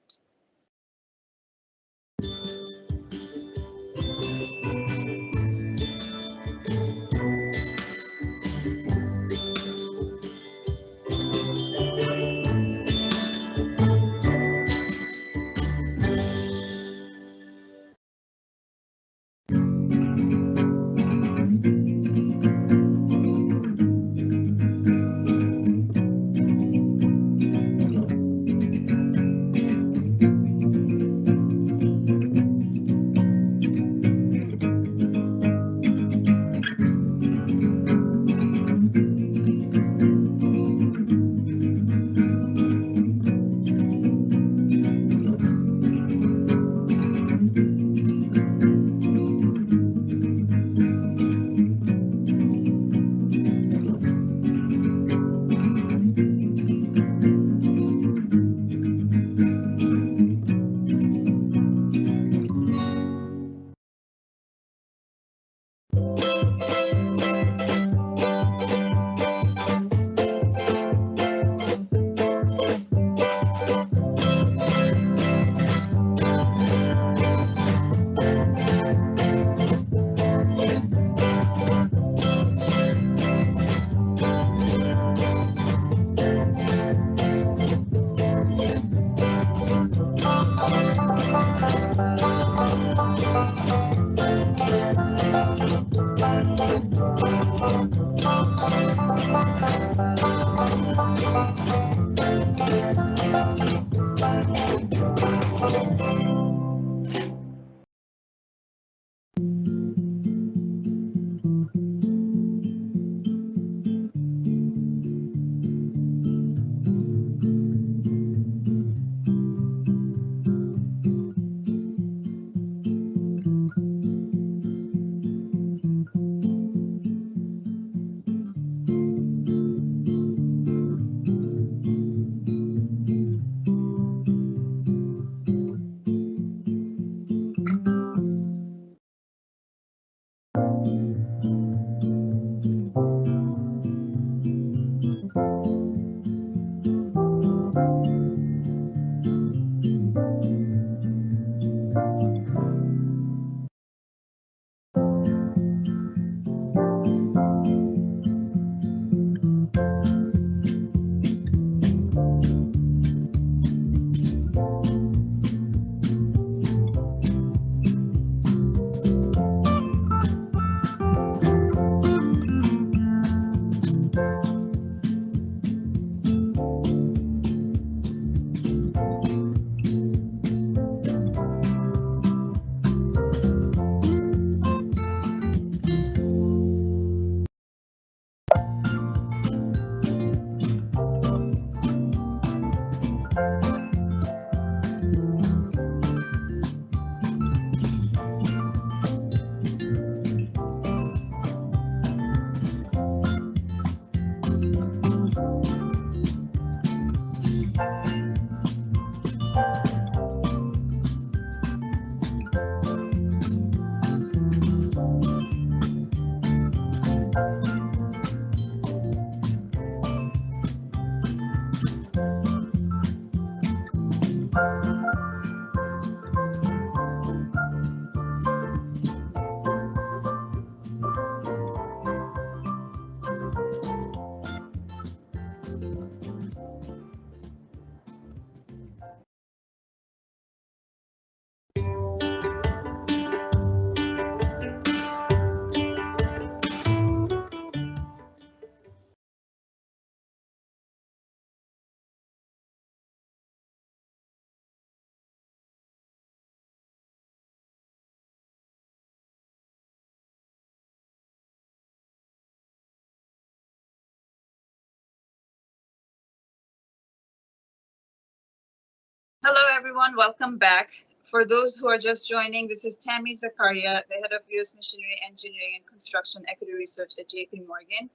Hello, everyone. Welcome back. For those who are just joining, this is Tami Zakaria, the head of US Machinery Engineering and Construction Equity Research at J.P. Morgan.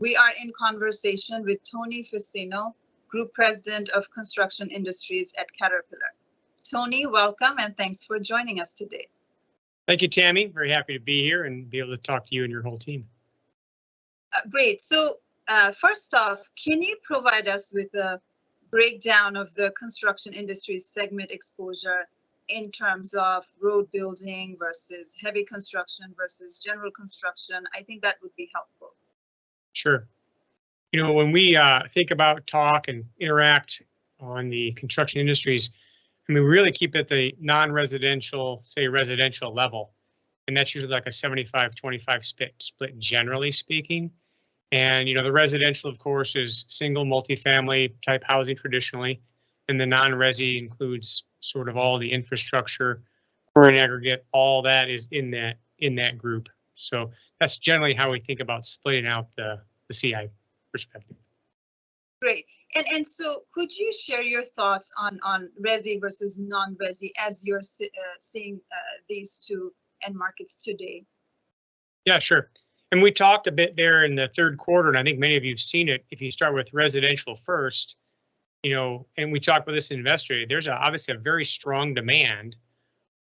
We are in conversation with Tony Fassino, Group President of Construction Industries at Caterpillar. Tony, welcome, and thanks for joining us today. Thank you, Tami. Very happy to be here and be able to talk to you and your whole team. Great! So, first off, can you provide us with a breakdown of the construction industry segment exposure in terms of road building versus heavy construction versus general construction? I think that would be helpful. Sure. You know, when we think about, talk, and interact on the construction industries, and we really keep it the non-residential, say, residential level, and that's usually like a 75-25 split, generally speaking. You know, the residential, of course, is single, multifamily-type housing traditionally, and the non-resi includes sort of all the infrastructure or an aggregate. All that is in that group. So that's generally how we think about splitting out the CI perspective. Great. So could you share your thoughts on resi versus non-resi as you're seeing these two end markets today? Yeah, sure. We talked a bit there in the third quarter, and I think many of you have seen it. If you start with residential first, you know, and we talked about this in investor, there's obviously a very strong demand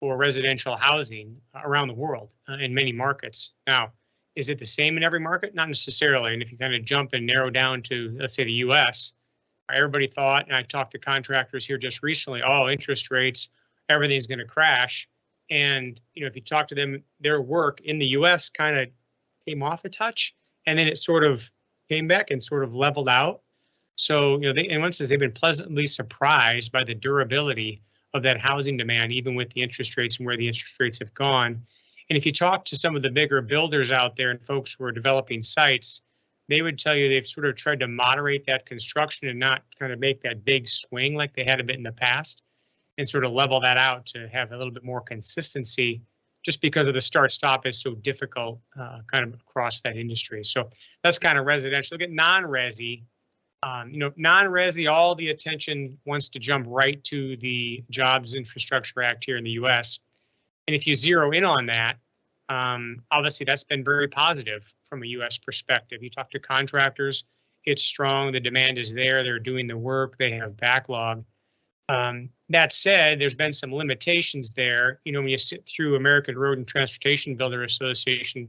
for residential housing around the world, in many markets. Now, is it the same in every market? Not necessarily, and if you kind of jump and narrow down to, let's say, the U.S., everybody thought... I talked to contractors here just recently, "Oh, interest rates, everything's gonna crash." And, you know, if you talk to them, their work in the U.S. kind of came off a touch, and then it sort of came back and sort of leveled out. So, you know, they... Once they've been pleasantly surprised by the durability of that housing demand, even with the interest rates and where the interest rates have gone. If you talk to some of the bigger builders out there and folks who are developing sites, they would tell you they've sort of tried to moderate that construction and not try to make that big swing like they had a bit in the past, and sort of level that out to have a little bit more consistency just because of the start/stop is so difficult, kind of across that industry. So that's kind of residential. Look at non-resi, all the attention wants to jump right to the Infrastructure Investment and Jobs Act here in the US. If you zero in on that, obviously, that's been very positive from a US perspective. You talk to contractors, it's strong, the demand is there, they're doing the work, they have backlog. That said, there's been some limitations there. You know, when you sit through American Road and Transportation Builders Association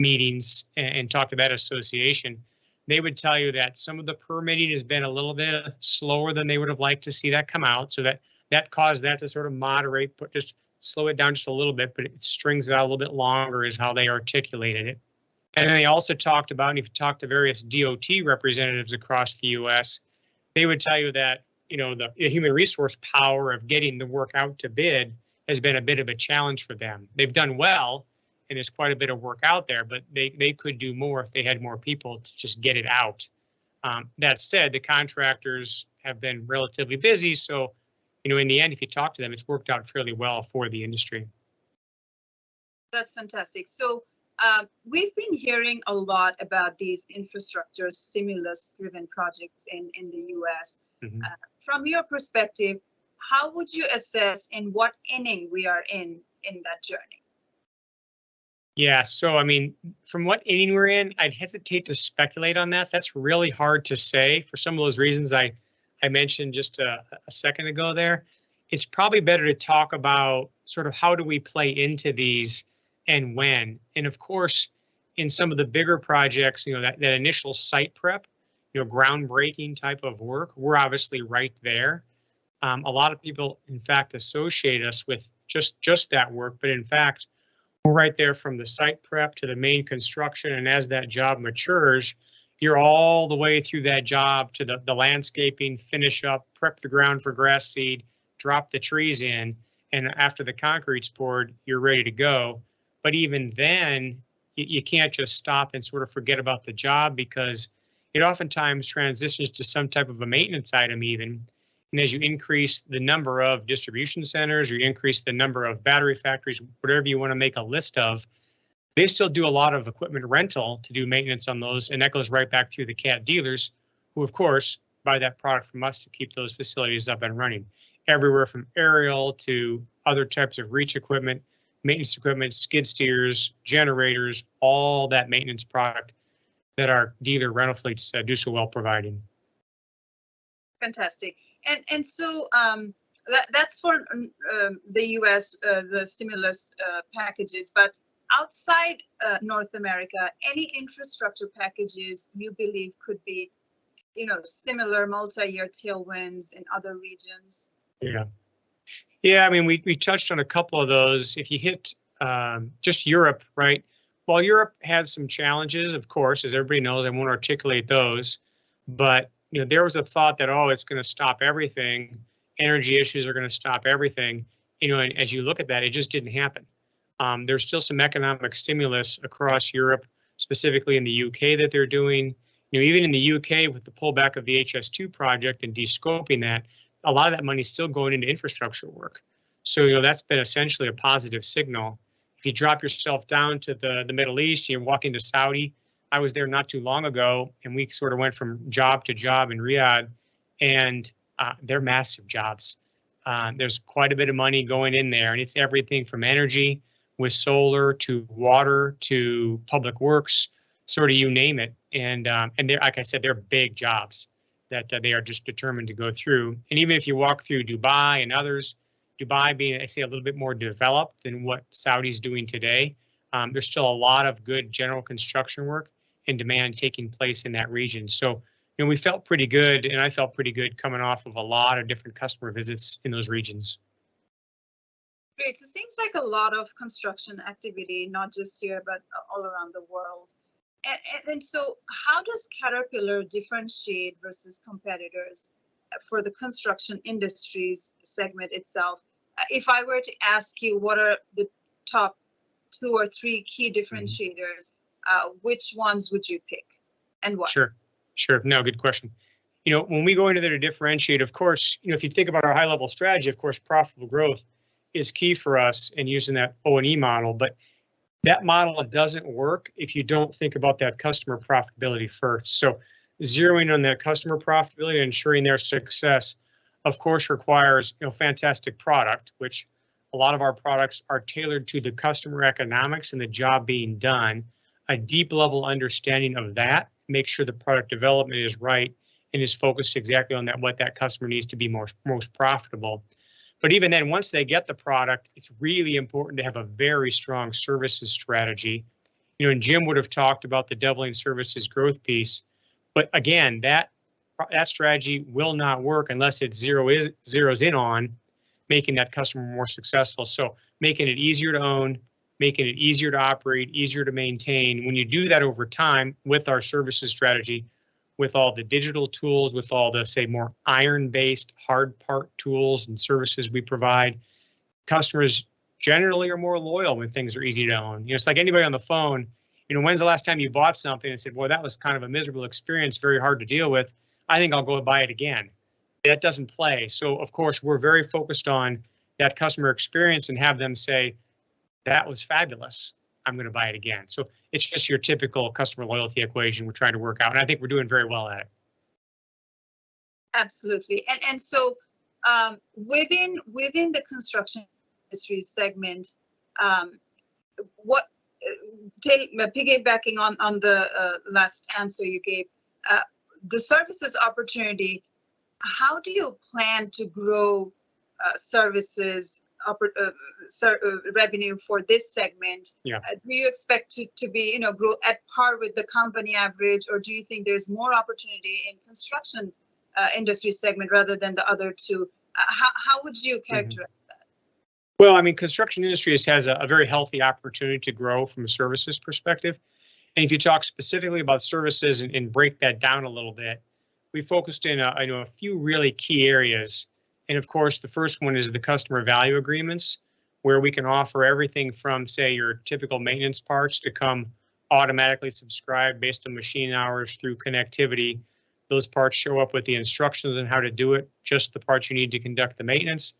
meetings and talk to that association, they would tell you that some of the permitting has been a little bit slower than they would have liked to see that come out, so that, that caused that to sort of moderate, but just slow it down just a little bit, but it strings it out a little bit longer, is how they articulated it. They also talked about, and if you talk to various DOT representatives across the U.S., they would tell you that, you know, the human resource power of getting the work out to bid has been a bit of a challenge for them. They've done well, and there's quite a bit of work out there, but they could do more if they had more people to just get it out. That said, the contractors have been relatively busy, so, you know, in the end, if you talk to them, it's worked out fairly well for the industry. That's fantastic. So, we've been hearing a lot about these infrastructure stimulus-driven projects in the U.S. Mm-hmm. From your perspective, how would you assess and what inning we are in, in that journey? Yeah, so I mean, from what inning we're in, I'd hesitate to speculate on that. That's really hard to say for some of those reasons I mentioned just a second ago there. It's probably better to talk about sort of how do we play into these, and when, and of course, in some of the bigger projects, you know, that initial site prep, you know, groundbreaking type of work, we're obviously right there. A lot of people, in fact, associate us with just that work, but in fact, we're right there from the site prep to the main construction, and as that job matures, you're all the way through that job to the landscaping, finish up, prep the ground for grass seed, drop the trees in, and after the concrete's poured, you're ready to go. But even then, you can't just stop and sort of forget about the job because it oftentimes transitions to some type of a maintenance item even. As you increase the number of distribution centers, you increase the number of battery factories, whatever you wanna make a list of. They still do a lot of equipment rental to do maintenance on those, and that goes right back to the Cat dealers, who of course, buy that product from us to keep those facilities up and running. Everywhere from aerial to other types of reach equipment, maintenance equipment, skid steers, generators, all that maintenance product that our dealer rental fleets do so well providing. Fantastic. So, that's for the U.S. stimulus packages, but outside North America, any infrastructure packages you believe could be, you know, similar multi-year tailwinds in other regions? Yeah. Yeah, I mean, we touched on a couple of those. If you hit just Europe, right? While Europe had some challenges, of course, as everybody knows, I won't articulate those, but you know, there was a thought that, "Oh, it's gonna stop everything. Energy issues are gonna stop everything," you know, and as you look at that, it just didn't happen. There's still some economic stimulus across Europe, specifically in the UK, that they're doing. You know, even in the UK, with the pullback of the HS2 project and de-scoping that, a lot of that money's still going into infrastructure work. So, you know, that's been essentially a positive signal. If you drop yourself down to the Middle East, you walk into Saudi... I was there not too long ago, and we sort of went from job to job in Riyadh, and they're massive jobs. There's quite a bit of money going in there, and it's everything from energy with solar, to water, to public works, sort of you name it. They're... Like I said, they're big jobs that they are just determined to go through. Even if you walk through Dubai and others, Dubai being, I'd say, a little bit more developed than what Saudi's doing today, there's still a lot of good general construction work and demand taking place in that region. So, you know, we felt pretty good, and I felt pretty good coming off of a lot of different customer visits in those regions. Great. So seems like a lot of construction activity, not just here, but all around the world. So how does Caterpillar differentiate versus competitors, for the Construction Industries segment itself? If I were to ask you, what are the top two or three key differentiators- Mm... which ones would you pick, and why? Sure. Sure. No, good question. You know, when we go into there to differentiate, of course, you know, if you think about our high-level strategy, of course, profitable growth is key for us in using that O&E model. That model doesn't work if you don't think about that customer profitability first. So zeroing in on that customer profitability and ensuring their success, of course, requires, you know, fantastic product, which a lot of our products are tailored to the customer economics and the job being done. A deep level understanding of that makes sure the product development is right, and is focused exactly on that, what that customer needs to be more, most profitable. Even then, once they get the product, it's really important to have a very strong services strategy. You know, and Jim would've talked about the doubling services growth piece, but again, that strategy will not work unless it zeros in on making that customer more successful. So making it easier to own, making it easier to operate, easier to maintain. When you do that over time with our services strategy, with all the digital tools, with all the, say, more iron-based hard part tools and services we provide, customers generally are more loyal when things are easy to own. You know, it's like anybody on the phone, you know, when's the last time you bought something and said, "Well, that was kind of a miserable experience, very hard to deal with, I think I'll go and buy it again"? That doesn't play. Of course, we're very focused on that customer experience and have them say, "That was fabulous, I'm gonna buy it again." It's just your typical customer loyalty equation we're trying to work out, and I think we're doing very well at it. Absolutely. So, within the Construction Industries segment, piggybacking on the last answer you gave, the services opportunity, how do you plan to grow services revenue for this segment? Yeah. Do you expect it to be, you know, grow at par with the company average, or do you think there's more opportunity in construction industry segment, rather than the other two? How would you characterize that? Well, I mean, Construction Industries has a very healthy opportunity to grow from a services perspective. If you talk specifically about services and break that down a little bit, we focused in a few really key areas. Of course, the first one is the Customer Value Agreements, where we can offer everything from, say, your typical maintenance parts, to come automatically subscribed based on machine hours through connectivity. Those parts show up with the instructions on how to do it, just the parts you need to conduct the maintenance.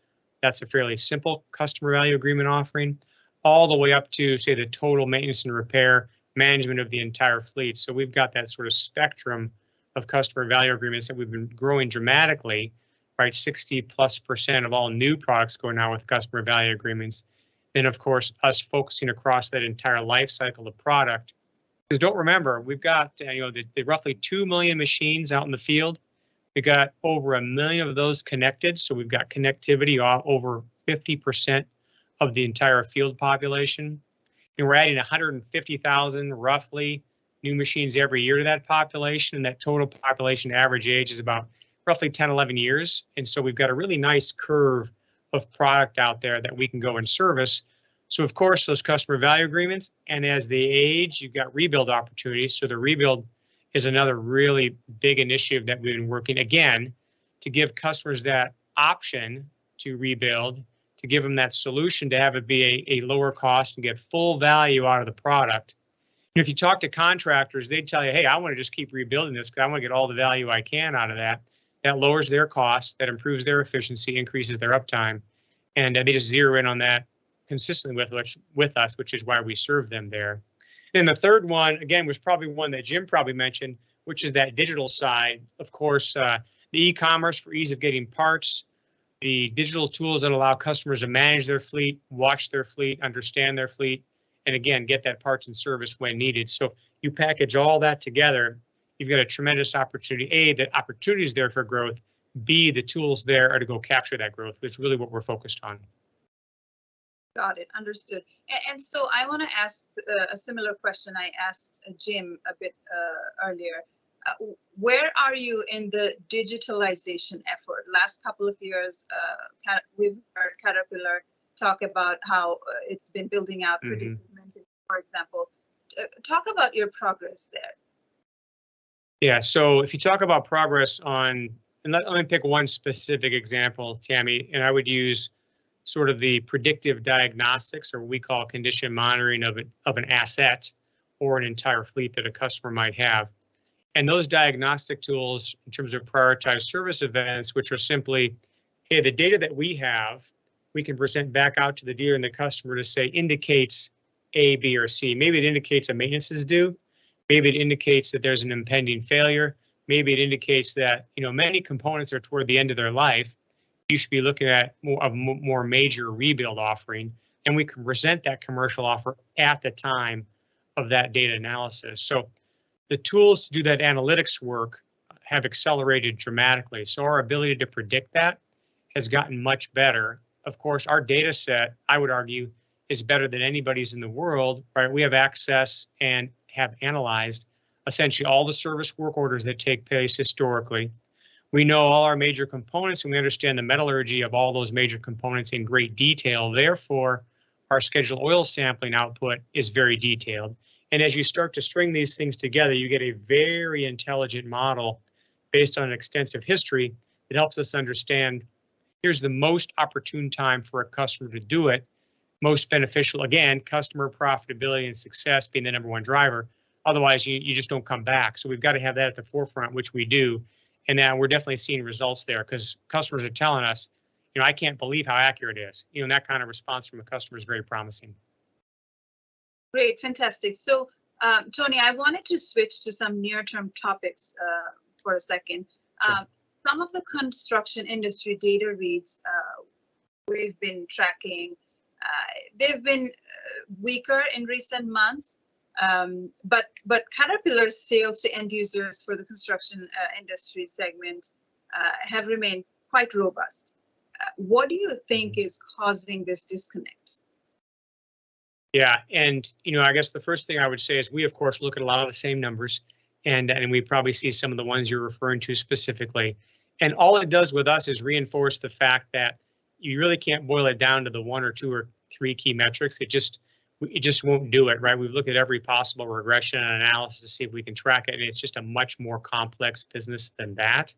That's a fairly simple Customer Value Agreement offering, all the way up to, say, the total maintenance and repair, management of the entire fleet. So we've got that sort of spectrum of Customer Value Agreements that we've been growing dramatically, right? 60%+ of all new products going out with Customer Value Agreements. Then, of course, us focusing across that entire life cycle of product. 'Cause don't remember, we've got, you know, the, the roughly 2 million machines out in the field. We've got over 1 million of those connected, so we've got connectivity on over 50% of the entire field population. We're adding 150,000, roughly, new machines every year to that population, and that total population average age is about roughly 10, 11 years. So we've got a really nice curve of product out there that we can go and service. So of course, those Customer Value Agreements, and as they age, you've got rebuild opportunities. So the rebuild is another really big initiative that we've been working, again, to give customers that option to rebuild, to give them that solution, to have it be a, a lower cost and get full value out of the product-... If you talk to contractors, they'd tell you, "Hey, I wanna just keep rebuilding this, 'cause I wanna get all the value I can out of that." That lowers their costs, that improves their efficiency, increases their uptime, and they just zero in on that consistently with us, which is why we serve them there. Then the third one, again, was probably one that Jim probably mentioned, which is that digital side. Of course, the e-commerce for ease of getting parts, the digital tools that allow customers to manage their fleet, watch their fleet, understand their fleet, and again, get that parts and service when needed. So you package all that together, you've got a tremendous opportunity. A, the opportunity is there for growth. B, the tools there are to go capture that growth, which is really what we're focused on. Got it. Understood. So I wanna ask a similar question I asked Jim a bit earlier. Where are you in the digitalization effort? Last couple of years, we've heard Caterpillar talk about how it's been building out- Mm-hmm... predictive maintenance, for example. Talk about your progress there. Yeah, so if you talk about progress on... Let me pick one specific example, Tami, and I would use sort of the predictive diagnostics, or what we call condition monitoring of an asset, or an entire fleet that a customer might have. Those diagnostic tools, in terms of prioritized service events, which are simply, "Hey, the data that we have, we can present back out to the dealer and the customer to say indicates A, B, or C." Maybe it indicates a maintenance is due, maybe it indicates that there's an impending failure, maybe it indicates that, you know, many components are toward the end of their life, you should be looking at more major rebuild offering. We can present that commercial offer at the time of that data analysis. So the tools to do that analytics work have accelerated dramatically, so our ability to predict that has gotten much better. Of course, our data set, I would argue, is better than anybody's in the world, right? We have access, and have analyzed essentially all the service work orders that take place historically. We know all our major components, and we understand the metallurgy of all those major components in great detail. Therefore, our scheduled oil sampling output is very detailed. As you start to string these things together, you get a very intelligent model based on an extensive history, that helps us understand, here's the most opportune time for a customer to do it. Most beneficial, again, customer profitability and success being the number one driver, otherwise you just don't come back. So we've got to have that at the forefront, which we do, and, we're definitely seeing results there. 'Cause customers are telling us, "You know, I can't believe how accurate it is." You know, and that kind of response from a customer is very promising. Great. Fantastic. So, Tony, I wanted to switch to some near-term topics, for a second. Sure. Some of the construction industry data reads, we've been tracking, they've been weaker in recent months, but Caterpillar sales to end users for the construction industry segment have remained quite robust. What do you think is causing this disconnect? Yeah, and, you know, I guess the first thing I would say is, we of course look at a lot of the same numbers, and, and we probably see some of the ones you're referring to specifically. All it does with us is reinforce the fact that you really can't boil it down to the one, or two, or three key metrics. It just won't do it, right? We've looked at every possible regression and analysis to see if we can track it, and it's just a much more complex business than that.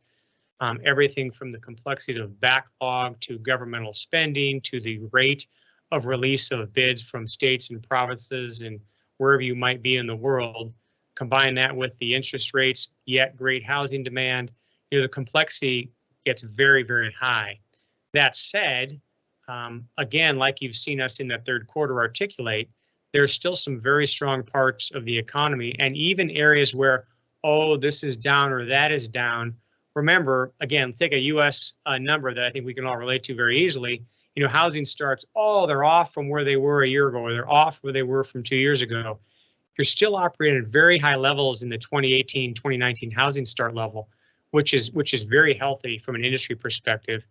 Everything from the complexity of backlog, to governmental spending, to the rate of release of bids from states and provinces, and wherever you might be in the world. Combine that with the interest rates, yet great housing demand, you know, the complexity gets very, very high. That said, again, like you've seen us in the third quarter articulate, there are still some very strong parts of the economy, and even areas where, "Oh, this is down, or that is down," remember, again, take a U.S. number that I think we can all relate to very easily. You know, housing starts, oh, they're off from where they were a year ago, or they're off where they were from two years ago. You're still operating at very high levels in the 2018, 2019 housing start level, which is, which is very healthy from an industry perspective.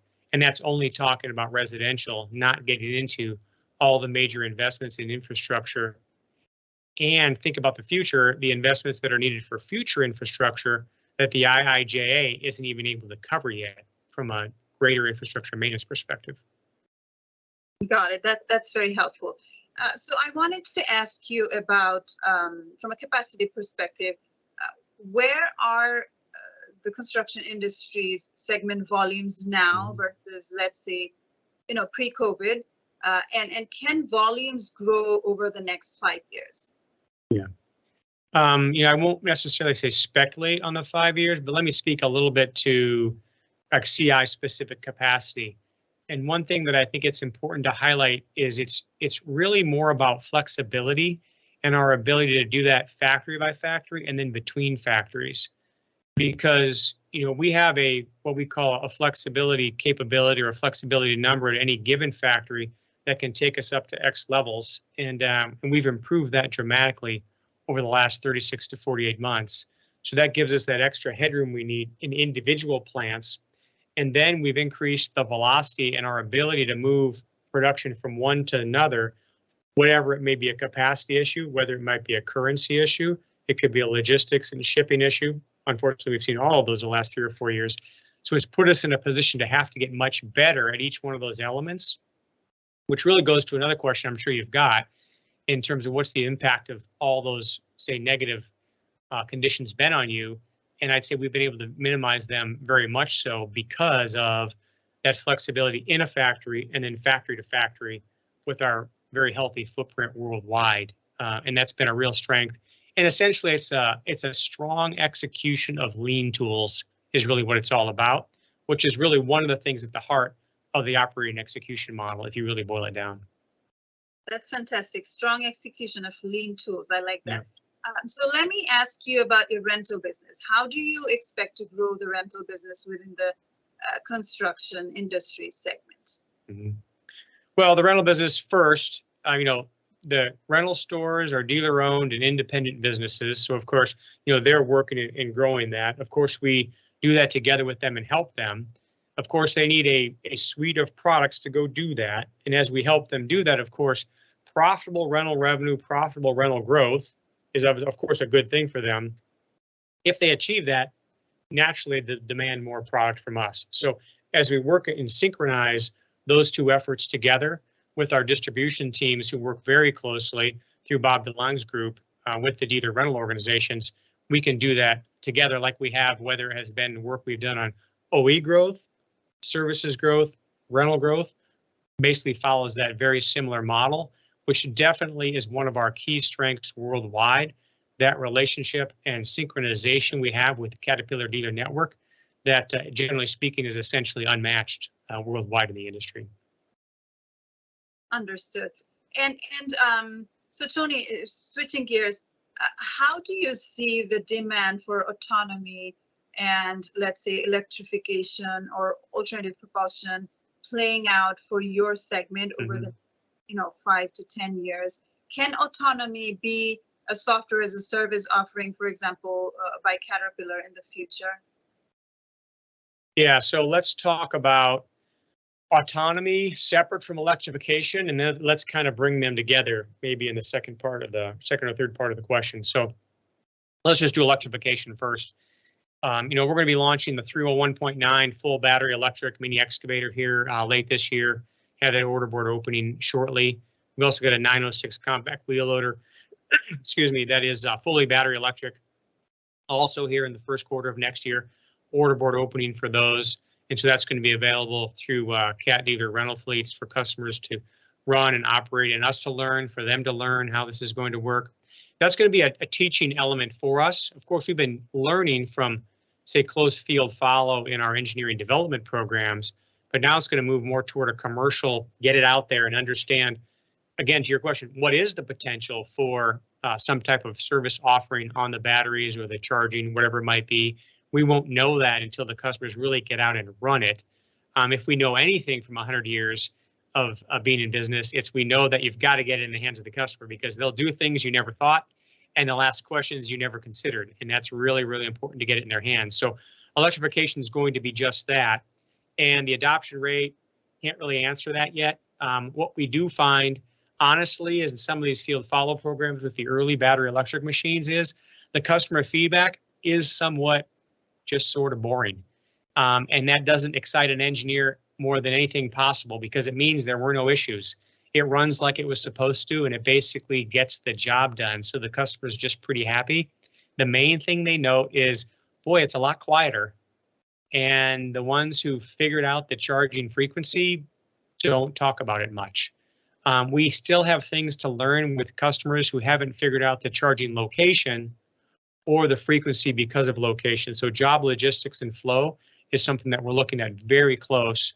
That's only talking about residential, not getting into all the major investments in infrastructure. Think about the future, the investments that are needed for future infrastructure, that the IIJA isn't even able to cover yet, from a greater infrastructure maintenance perspective. Got it. That, that's very helpful. So I wanted to ask you about, from a capacity perspective, where are, the Construction Industries segment volumes now- Mm... versus, let's say, you know, pre-COVID? And can volumes grow over the next five years? Yeah. You know, I won't necessarily say speculate on the five years, but let me speak a little bit to CI-specific capacity. One thing that I think it's important to highlight is, it's really more about flexibility, and our ability to do that factory by factory, and then between factories. Because, you know, we have a, what we call a flexibility capability or a flexibility number at any given factory, that can take us up to X levels. We've improved that dramatically over the last 36-48 months. So that gives us that extra headroom we need in individual plants. Then we've increased the velocity and our ability to move production from one to another, whatever it may be, a capacity issue, whether it might be a currency issue, it could be a logistics and shipping issue. Unfortunately, we've seen all of those in the last 3 or 4 years. So it's put us in a position to have to get much better at each one of those elements. Which really goes to another question I'm sure you've got, in terms of what's the impact of all those, say, negative conditions been on you, and I'd say we've been able to minimize them very much so because of that flexibility in a factory, and then factory to factory, with our very healthy footprint worldwide. That's been a real strength. Eessentially, it's a strong execution of lean tools, is really what it's all about, which is really one of the things at the heart of the Operating & Execution Model, if you really boil it down. That's fantastic. Strong execution of lean tools. I like that. Yeah. So let me ask you about your rental business. How do you expect to grow the rental business within the Construction Industries segment? Mm-hmm. Well, the rental business first, you know, the rental stores are dealer-owned and independent businesses, so of course, you know, they're working in growing that. Of course, we do that together with them and help them. Of course, they need a suite of products to go do that, and as we help them do that, of course, profitable rental revenue, profitable rental growth, is of course, a good thing for them. If they achieve that, naturally they demand more product from us. So as we work and synchronize those two efforts together with our distribution teams, who work very closely through Bob De Lange's group, with the dealer rental organizations, we can do that together like we have, whether it has been work we've done on OE growth, services growth, rental growth, basically follows that very similar model, which definitely is one of our key strengths worldwide. That relationship and synchronization we have with the Caterpillar dealer network, that, generally speaking- Mm-hmm... is essentially unmatched, worldwide in the industry. Understood. So Tony, switching gears, how do you see the demand for autonomy and, let's say, electrification or alternative propulsion playing out for your segment? Mm-hmm... over the, you know, 5-10 years? Can autonomy be a software-as-a-service offering, for example, by Caterpillar in the future? Yeah, so let's talk about autonomy separate from electrification, and then let's kind of bring them together maybe in the second part of the... second or third part of the question. So let's just do electrification first. You know, we're gonna be launching the 301.9 full battery electric mini excavator here, late this year. Have an order board opening shortly. We've also got a 906 compact wheel loader, excuse me, that is, fully battery electric, also here in the first quarter of next year, order board opening for those. So that's gonna be available through, Cat dealer rental fleets for customers to run and operate, and us to learn, for them to learn how this is going to work. That's gonna be a teaching element for us. Of course, we've been learning from, say, close field follow in our engineering development programs, but now it's gonna move more toward a commercial, get it out there and understand, again, to your question, what is the potential for some type of service offering on the batteries or the charging, whatever it might be? We won't know that until the customers really get out and run it. If we know anything from 100 years of being in business, it's we know that you've got to get it in the hands of the customer, because they'll do things you never thought, and they'll ask questions you never considered, and that's really, really important to get it in their hands. So electrification is going to be just that, and the adoption rate, can't really answer that yet. What we do find, honestly, as in some of these field follow programs with the early battery electric machines is, the customer feedback is somewhat just sort of boring. That doesn't excite an engineer more than anything possible, because it means there were no issues. It runs like it was supposed to, and it basically gets the job done, so the customer's just pretty happy. The main thing they note is, "Boy, it's a lot quieter." And the ones who've figured out the charging frequency don't talk about it much. We still have things to learn with customers who haven't figured out the charging location or the frequency because of location. So job logistics and flow is something that we're looking at very close,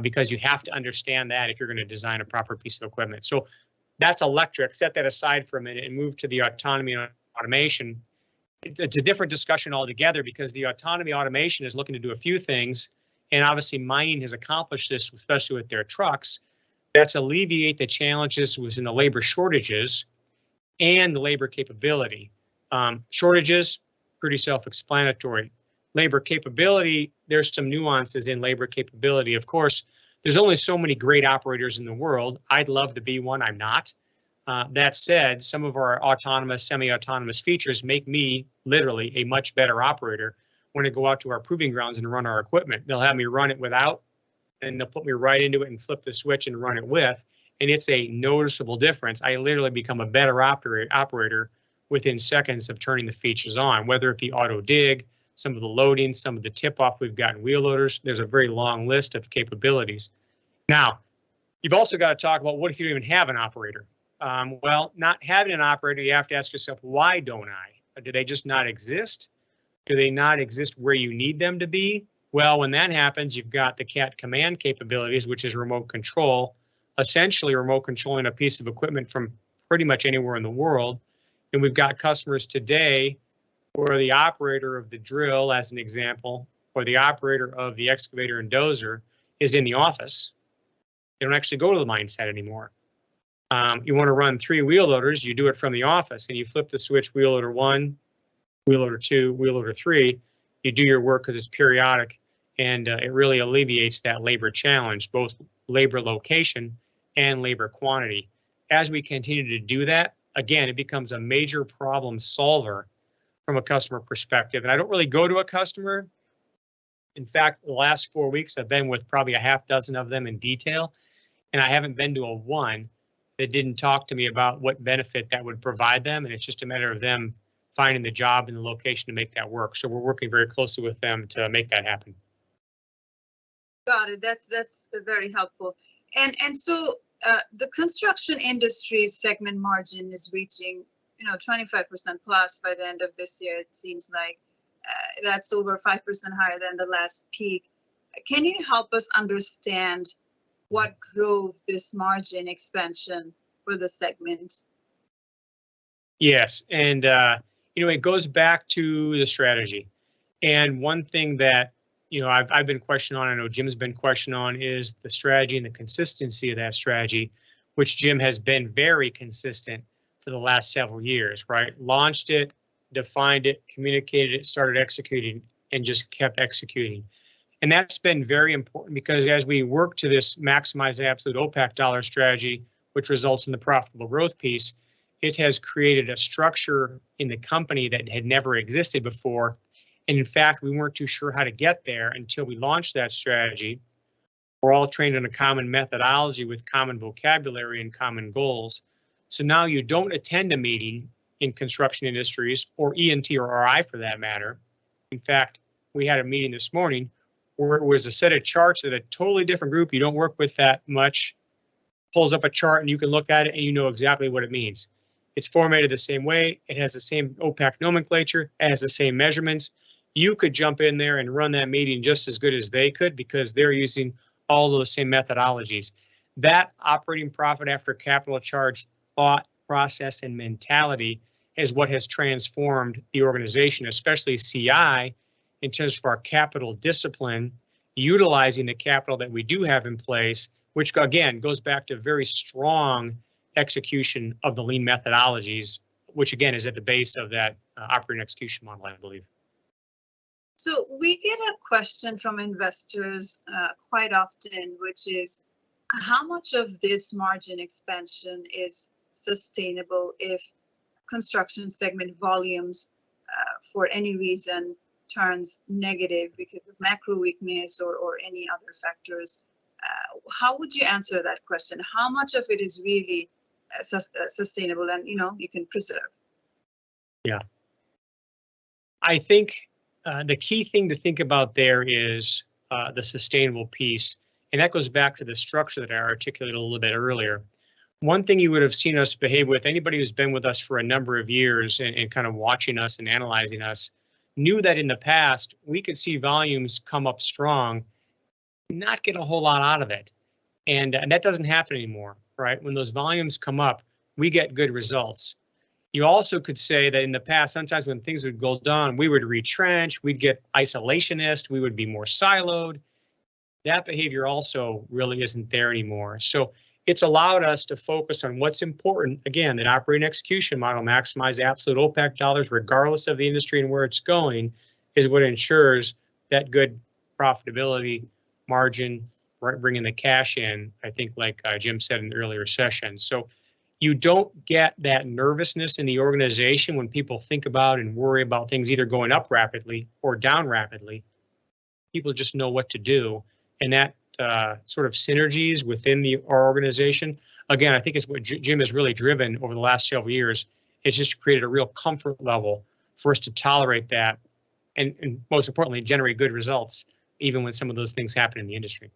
because you have to understand that if you're gonna design a proper piece of equipment. So that's electric. Set that aside for a minute and move to the autonomy and automation. It's a different discussion altogether, because the autonomy automation is looking to do a few things, and obviously, mining has accomplished this, especially with their trucks. That's alleviate the challenges within the labor shortages and the labor capability. Shortages, pretty self-explanatory. Labor capability, there's some nuances in labor capability. Of course, there's only so many great operators in the world. I'd love to be one, I'm not. That said, some of our autonomous, semi-autonomous features make me, literally, a much better operator when I go out to our proving grounds and run our equipment. They'll have me run it without, and they'll put me right into it and flip the switch and run it with, and it's a noticeable difference. I literally become a better operator, operator within seconds of turning the features on, whether it be auto dig, some of the loading, some of the tip off we've got in wheel loaders. There's a very long list of capabilities. Now, you've also got to talk about what if you don't even have an operator? Well, not having an operator, you have to ask yourself, "Why don't I? Do they just not exist?" Do they not exist where you need them to be? Well, when that happens, you've got the Cat Command capabilities, which is remote control, essentially remote controlling a piece of equipment from pretty much anywhere in the world. We've got customers today, where the operator of the drill, as an example, or the operator of the excavator and dozer, is in the office. They don't actually go to the mine site anymore. You wanna run three wheel loaders, you do it from the office, and you flip the switch, wheel loader one, wheel loader two, wheel loader three. You do your work, because it's periodic, and it really alleviates that labor challenge, both labor location and labor quantity. As we continue to do that, again, it becomes a major problem solver from a customer perspective. I don't really go to a customer. In fact, the last four weeks, I've been with probably a half dozen of them in detail, and I haven't been to a one that didn't talk to me about what benefit that would provide them, and it's just a matter of them finding the job and the location to make that work. So we're working very closely with them to make that happen. Got it. That's, that's very helpful. So, the construction industry segment margin is reaching, you know, 25% plus by the end of this year. It seems like, that's over 5% higher than the last peak. Can you help us understand what drove this margin expansion for the segment? Yes, you know, it goes back to the strategy. One thing that, you know, I've been questioned on, I know Jim's been questioned on, is the strategy and the consistency of that strategy, which Jim has been very consistent for the last several years, right? Launched it, defined it, communicated it, started executing, and just kept executing. That's been very important because as we work to this maximize the absolute OPAC dollar strategy, which results in the profitable growth piece, it has created a structure in the company that had never existed before. In fact, we weren't too sure how to get there until we launched that strategy. We're all trained in a common methodology with common vocabulary and common goals. So now you don't attend a meeting in Construction Industries or E&T or RI, for that matter. In fact, we had a meeting this morning where it was a set of charts at a totally different group you don't work with that much. Pulls up a chart, and you can look at it, and you know exactly what it means. It's formatted the same way, it has the same OPAC nomenclature, it has the same measurements. You could jump in there and run that meeting just as good as they could because they're using all those same methodologies. That operating profit after capital charge, thought, process, and mentality, is what has transformed the organization, especially CI, in terms of our capital discipline, utilizing the capital that we do have in place, which again goes back to very strong execution of the lean methodologies, which again is at the base of that Operating & Execution model, I believe. So we get a question from investors quite often, which is, "How much of this margin expansion is sustainable if construction segment volumes for any reason turns negative because of macro weakness or any other factors?" How would you answer that question? How much of it is really sustainable and, you know, you can preserve? Yeah. I think the key thing to think about there is the sustainable piece, and that goes back to the structure that I articulated a little bit earlier. One thing you would have seen us behave with, anybody who's been with us for a number of years and kind of watching us and analyzing us, knew that in the past, we could see volumes come up strong, not get a whole lot out of it, and that doesn't happen anymore, right? When those volumes come up, we get good results. You also could say that in the past, sometimes when things would go down, we would retrench, we'd get isolationist, we would be more siloed. That behavior also really isn't there anymore. So it's allowed us to focus on what's important. Again, an Operating & Execution Model, maximize absolute OPAC dollars, regardless of the industry and where it's going, is what ensures that good profitability, margin, right, bringing the cash in, I think like Jim said in the earlier session. So you don't get that nervousness in the organization when people think about and worry about things either going up rapidly or down rapidly. People just know what to do, and that sort of synergies within the our organization, again, I think it's what Jim, Jim has really driven over the last several years. It's just created a real comfort level for us to tolerate that, and, and most importantly, generate good results, even when some of those things happen in the industry.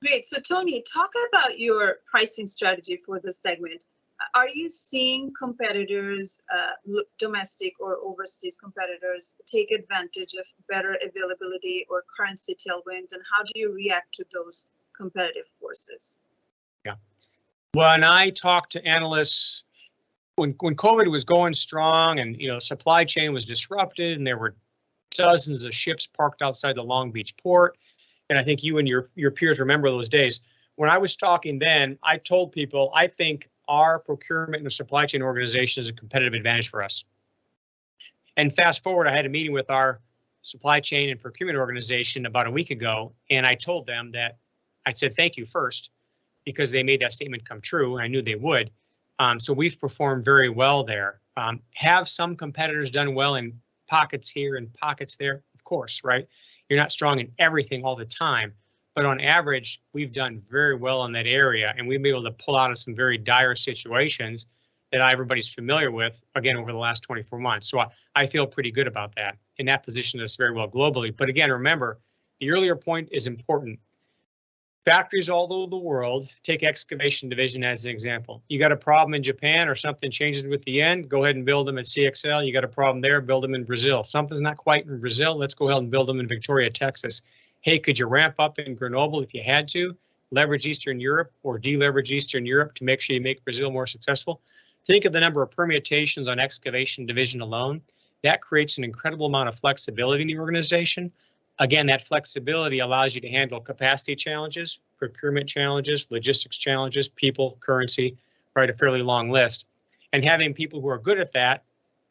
Great. So Tony, talk about your pricing strategy for this segment. Are you seeing competitors, domestic or overseas competitors, take advantage of better availability or currency tailwinds, and how do you react to those competitive forces? Yeah. When I talked to analysts, when COVID was going strong and, you know, supply chain was disrupted, and there were dozens of ships parked outside the Long Beach port, and I think you and your peers remember those days. When I was talking then, I told people, "I think our procurement and supply chain organization is a competitive advantage for us." Fast forward, I had a meeting with our supply chain and procurement organization about a week ago, and I told them that... I said thank you first, because they made that statement come true. I knew they would. So we've performed very well there. Have some competitors done well in pockets here and pockets there? Of course, right? You're not strong in everything all the time. But on average, we've done very well in that area, and we've been able to pull out of some very dire situations that everybody's familiar with, again, over the last 24 months. So I, I feel pretty good about that, and that positioned us very well globally. Again, remember, the earlier point is important. Factories all over the world, take excavator division as an example. You got a problem in Japan or something changes with the end, go ahead and build them at CXL. You got a problem there, build them in Brazil. Something's not quite in Brazil, let's go ahead and build them in Victoria, Texas. Hey, could you ramp up in Grenoble if you had to? Leverage Eastern Europe or de-leverage Eastern Europe to make sure you make Brazil more successful. Think of the number of permutations on excavator division alone. That creates an incredible amount of flexibility in the organization. Again, that flexibility allows you to handle capacity challenges, procurement challenges, logistics challenges, people, currency, right? A fairly long list. Having people who are good at that,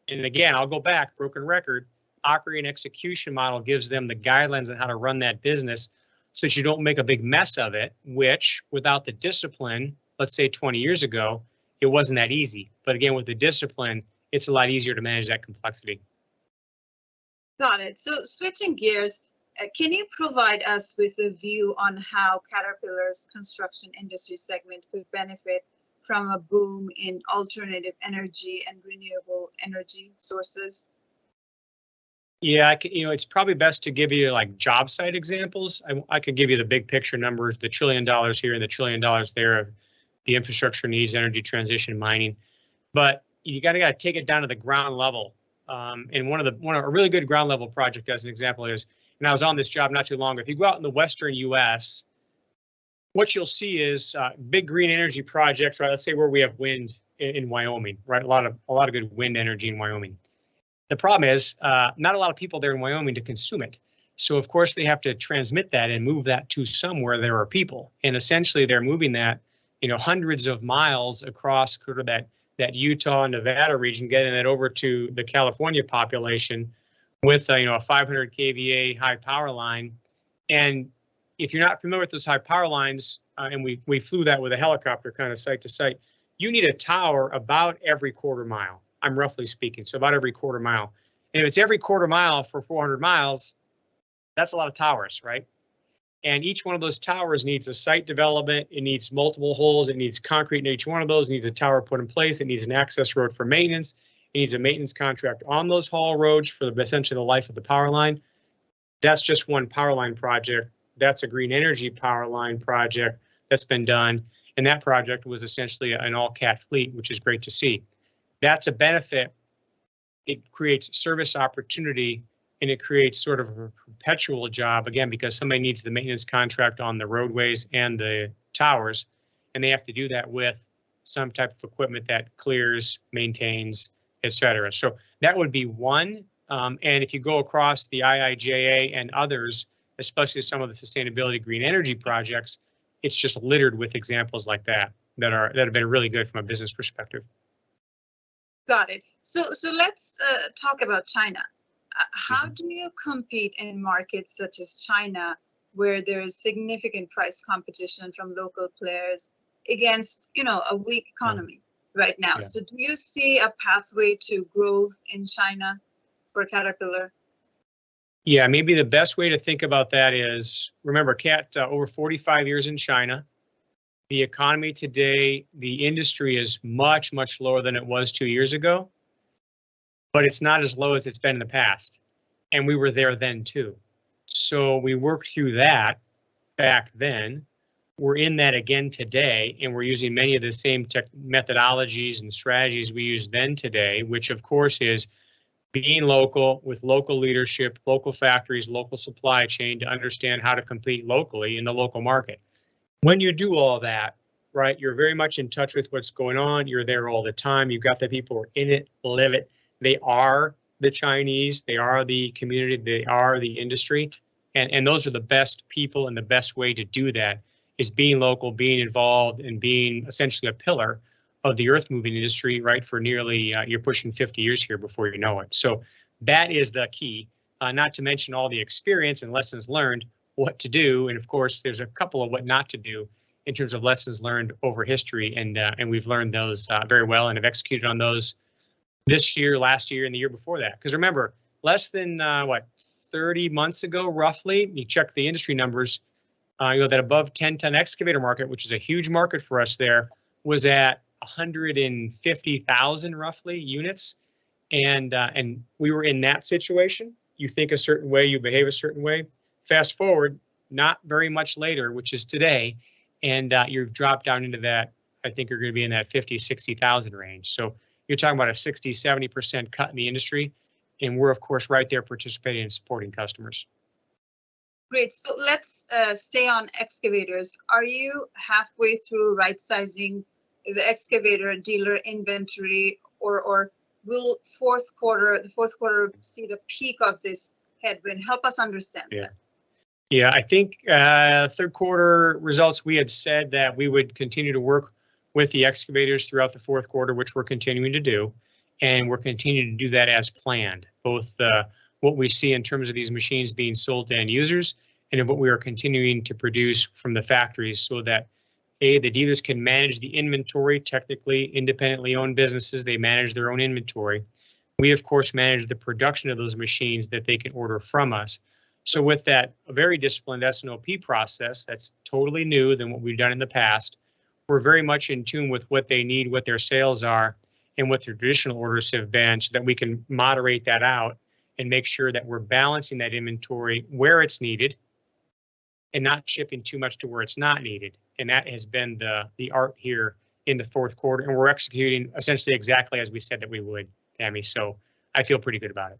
and again, I'll go back, broken record, Operating & Execution Model gives them the guidelines on how to run that business so that you don't make a big mess of it, which without the discipline, let's say 20 years ago, it wasn't that easy. Again, with the discipline, it's a lot easier to manage that complexity.... Got it. So switching gears, can you provide us with a view on how Caterpillar's construction industry segment could benefit from a boom in alternative energy and renewable energy sources? Yeah, you know, it's probably best to give you, like, job site examples. I could give you the big picture numbers, the $1 trillion here, and the $1 trillion there, the infrastructure needs, energy transition, mining. You gotta, gotta take it down to the ground level. One of a really good ground-level project as an example is, and I was on this job not too long ago, if you go out in the Western U.S., what you'll see is big green energy projects, right? Let's say where we have wind in Wyoming, right? A lot of, a lot of good wind energy in Wyoming. The problem is, not a lot of people there in Wyoming to consume it. So of course, they have to transmit that and move that to somewhere there are people, and essentially they're moving that, you know, hundreds of miles across sort of that, that Utah and Nevada region, getting that over to the California population with a, you know, a 500 kVA high power line. If you're not familiar with those high power lines, and we, we flew that with a helicopter kind of site to site, you need a tower about every quarter mile. I'm roughly speaking, so about every quarter mile. If it's every quarter mile for 400 miles, that's a lot of towers, right? Each one of those towers needs a site development, it needs multiple holes, it needs concrete in each one of those, it needs a tower put in place, it needs an access road for maintenance, it needs a maintenance contract on those haul roads for essentially the life of the power line. That's just one power line project. That's a green energy power line project that's been done, and that project was essentially an all-Cat fleet, which is great to see. That's a benefit. It creates service opportunity, and it creates sort of a perpetual job, again, because somebody needs the maintenance contract on the roadways and the towers, and they have to do that with some type of equipment that clears, maintains, et cetera. So that would be one. If you go across the IIJA and others, especially some of the sustainability green energy projects, it's just littered with examples like that, that are... that have been really good from a business perspective. Got it. So, let's talk about China. Mm-hmm. How do you compete in markets such as China, where there is significant price competition from local players against, you know, a weak economy- Mm... right now? Yeah. Do you see a pathway to growth in China for Caterpillar? Yeah, maybe the best way to think about that is, remember, Cat, over 45 years in China, the economy today, the industry is much, much lower than it was 2 years ago, but it's not as low as it's been in the past, and we were there then, too. So we worked through that back then. We're in that again today, and we're using many of the same methodologies and strategies we used then today, which of course, is being local with local leadership, local factories, local supply chain, to understand how to compete locally in the local market. When you do all that, right, you're very much in touch with what's going on. You're there all the time. You've got the people who are in it, live it. They are the Chinese, they are the community, they are the industry, and those are the best people. And the best way to do that is being local, being involved, and being essentially a pillar of the earthmoving industry, right, for nearly, you're pushing 50 years here before you know it. So that is the key. Not to mention all the experience and lessons learned, what to do, and of course, there's a couple of what not to do in terms of lessons learned over history. We've learned those very well and have executed on those this year, last year, and the year before that. 'Cause remember, less than what? 30 months ago, roughly, you check the industry numbers, you know, that above 10-ton excavator market, which is a huge market for us there, was at 150,000, roughly, units, and we were in that situation. You think a certain way, you behave a certain way. Fast forward, not very much later, which is today, and you've dropped down into that... I think you're gonna be in that 50-60,000 range. So you're talking about a 60%-70% cut in the industry, and we're, of course, right there participating and supporting customers. Great. So let's, stay on excavators. Are you halfway through right-sizing the excavator dealer inventory, or, or will fourth quarter, the fourth quarter see the peak of this headwind? Help us understand that. Yeah. Yeah, I think, third quarter results, we had said that we would continue to work with the excavators throughout the fourth quarter, which we're continuing to do, and we're continuing to do that as planned. Both, what we see in terms of these machines being sold to end users and in what we are continuing to produce from the factories so that, A, the dealers can manage the inventory. Technically, independently owned businesses, they manage their own inventory. We, of course, manage the production of those machines that they can order from us. So with that very disciplined S&OP process, that's totally new than what we've done in the past, we're very much in tune with what they need, what their sales are, and what their traditional orders have been, so that we can moderate that out and make sure that we're balancing that inventory where it's needed, and not shipping too much to where it's not needed. That has been the art here in the fourth quarter, and we're executing essentially exactly as we said that we would, Tami, so I feel pretty good about it.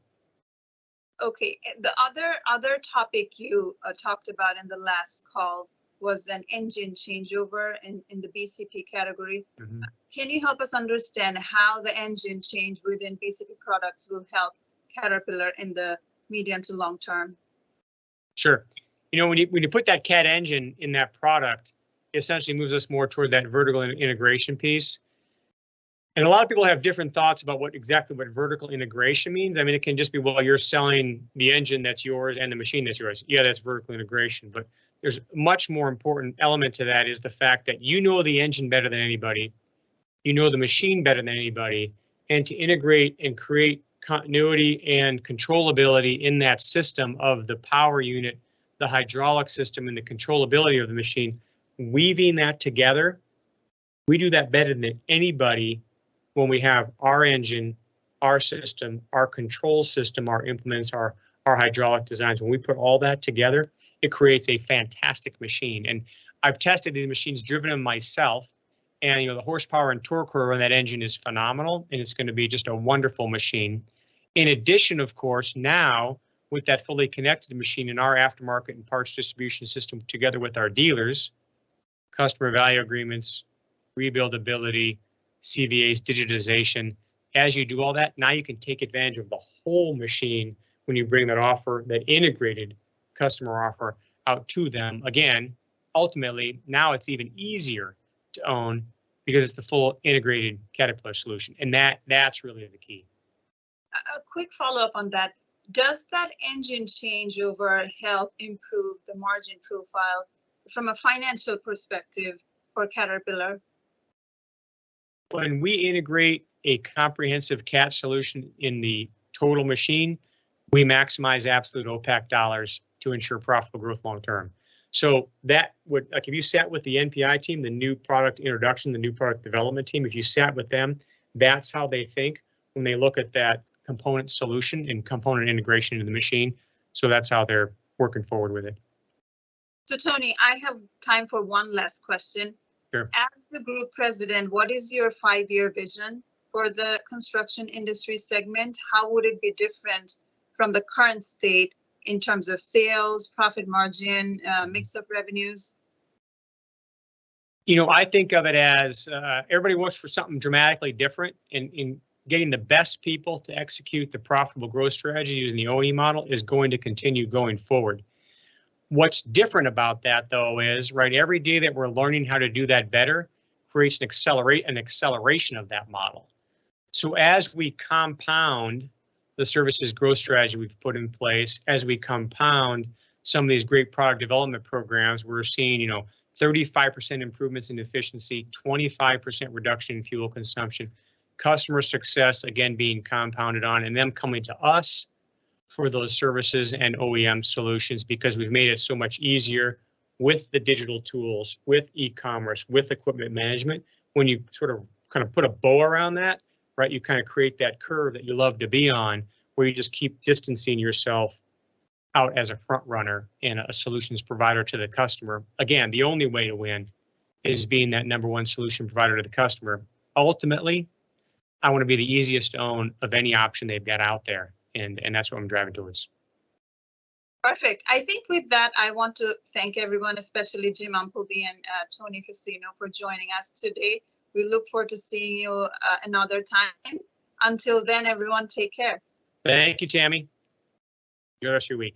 Okay, and the other topic you talked about in the last call was an engine changeover in the BCP category. Mm-hmm. Can you help us understand how the engine change within BCP products will help Caterpillar in the medium to long term? Sure. You know, when you put that Cat engine in that product, essentially moves us more toward that vertical integration piece. A lot of people have different thoughts about what exactly vertical integration means. I mean, it can just be, well, you're selling the engine that's yours and the machine that's yours. Yeah, that's vertical integration, but there's much more important element to that, is the fact that you know the engine better than anybody... you know the machine better than anybody, and to integrate and create continuity and controllability in that system of the power unit, the hydraulic system, and the controllability of the machine, weaving that together, we do that better than anybody when we have our engine, our system, our control system, our implements, our hydraulic designs. When we put all that together, it creates a fantastic machine. I've tested these machines, driven them myself, and, you know, the horsepower and torque curve on that engine is phenomenal, and it's gonna be just a wonderful machine. In addition, of course, now, with that fully connected machine and our aftermarket and parts distribution system, together with our dealers, Customer Value Agreements, rebuildability, CVAs, digitization, as you do all that, now you can take advantage of the whole machine when you bring that offer, that integrated customer offer, out to them. Again, ultimately, now it's even easier to own, because it's the full integrated Caterpillar solution, and that, that's really the key. A quick follow-up on that. Does that engine changeover help improve the margin profile from a financial perspective for Caterpillar? When we integrate a comprehensive Cat solution in the total machine, we maximize absolute OPAC dollars to ensure profitable growth long term. So that, like, if you sat with the NPI team, the new product introduction, the new product development team, if you sat with them, that's how they think when they look at that component solution and component integration in the machine. So that's how they're working forward with it. Tony, I have time for one last question. Sure. As the group president, what is your five-year vision for the construction industry segment? How would it be different from the current state in terms of sales, profit margin, mix of revenues? You know, I think of it as everybody wants for something dramatically different, and getting the best people to execute the profitable growth strategy using the OE model is going to continue going forward. What's different about that, though, is right, every day that we're learning how to do that better creates an acceleration of that model. So as we compound the services growth strategy we've put in place, as we compound some of these great product development programs, we're seeing, you know, 35% improvements in efficiency, 25% reduction in fuel consumption. Customer success, again, being compounded on, and them coming to us for those services and OEM solutions, because we've made it so much easier with the digital tools, with e-commerce, with equipment management. When you sort of, kind of put a bow around that, right, you kind of create that curve that you love to be on, where you just keep distancing yourself out as a front runner and a solutions provider to the customer. Again, the only way to win is being that number one solution provider to the customer. Ultimately, I wanna be the easiest to own of any option they've got out there, and, and that's what I'm driving towards. Perfect. I think with that, I want to thank everyone, especially Jim Umpleby and Tony Fassino, for joining us today. We look forward to seeing you another time. Until then, everyone, take care. Thank you, Tami.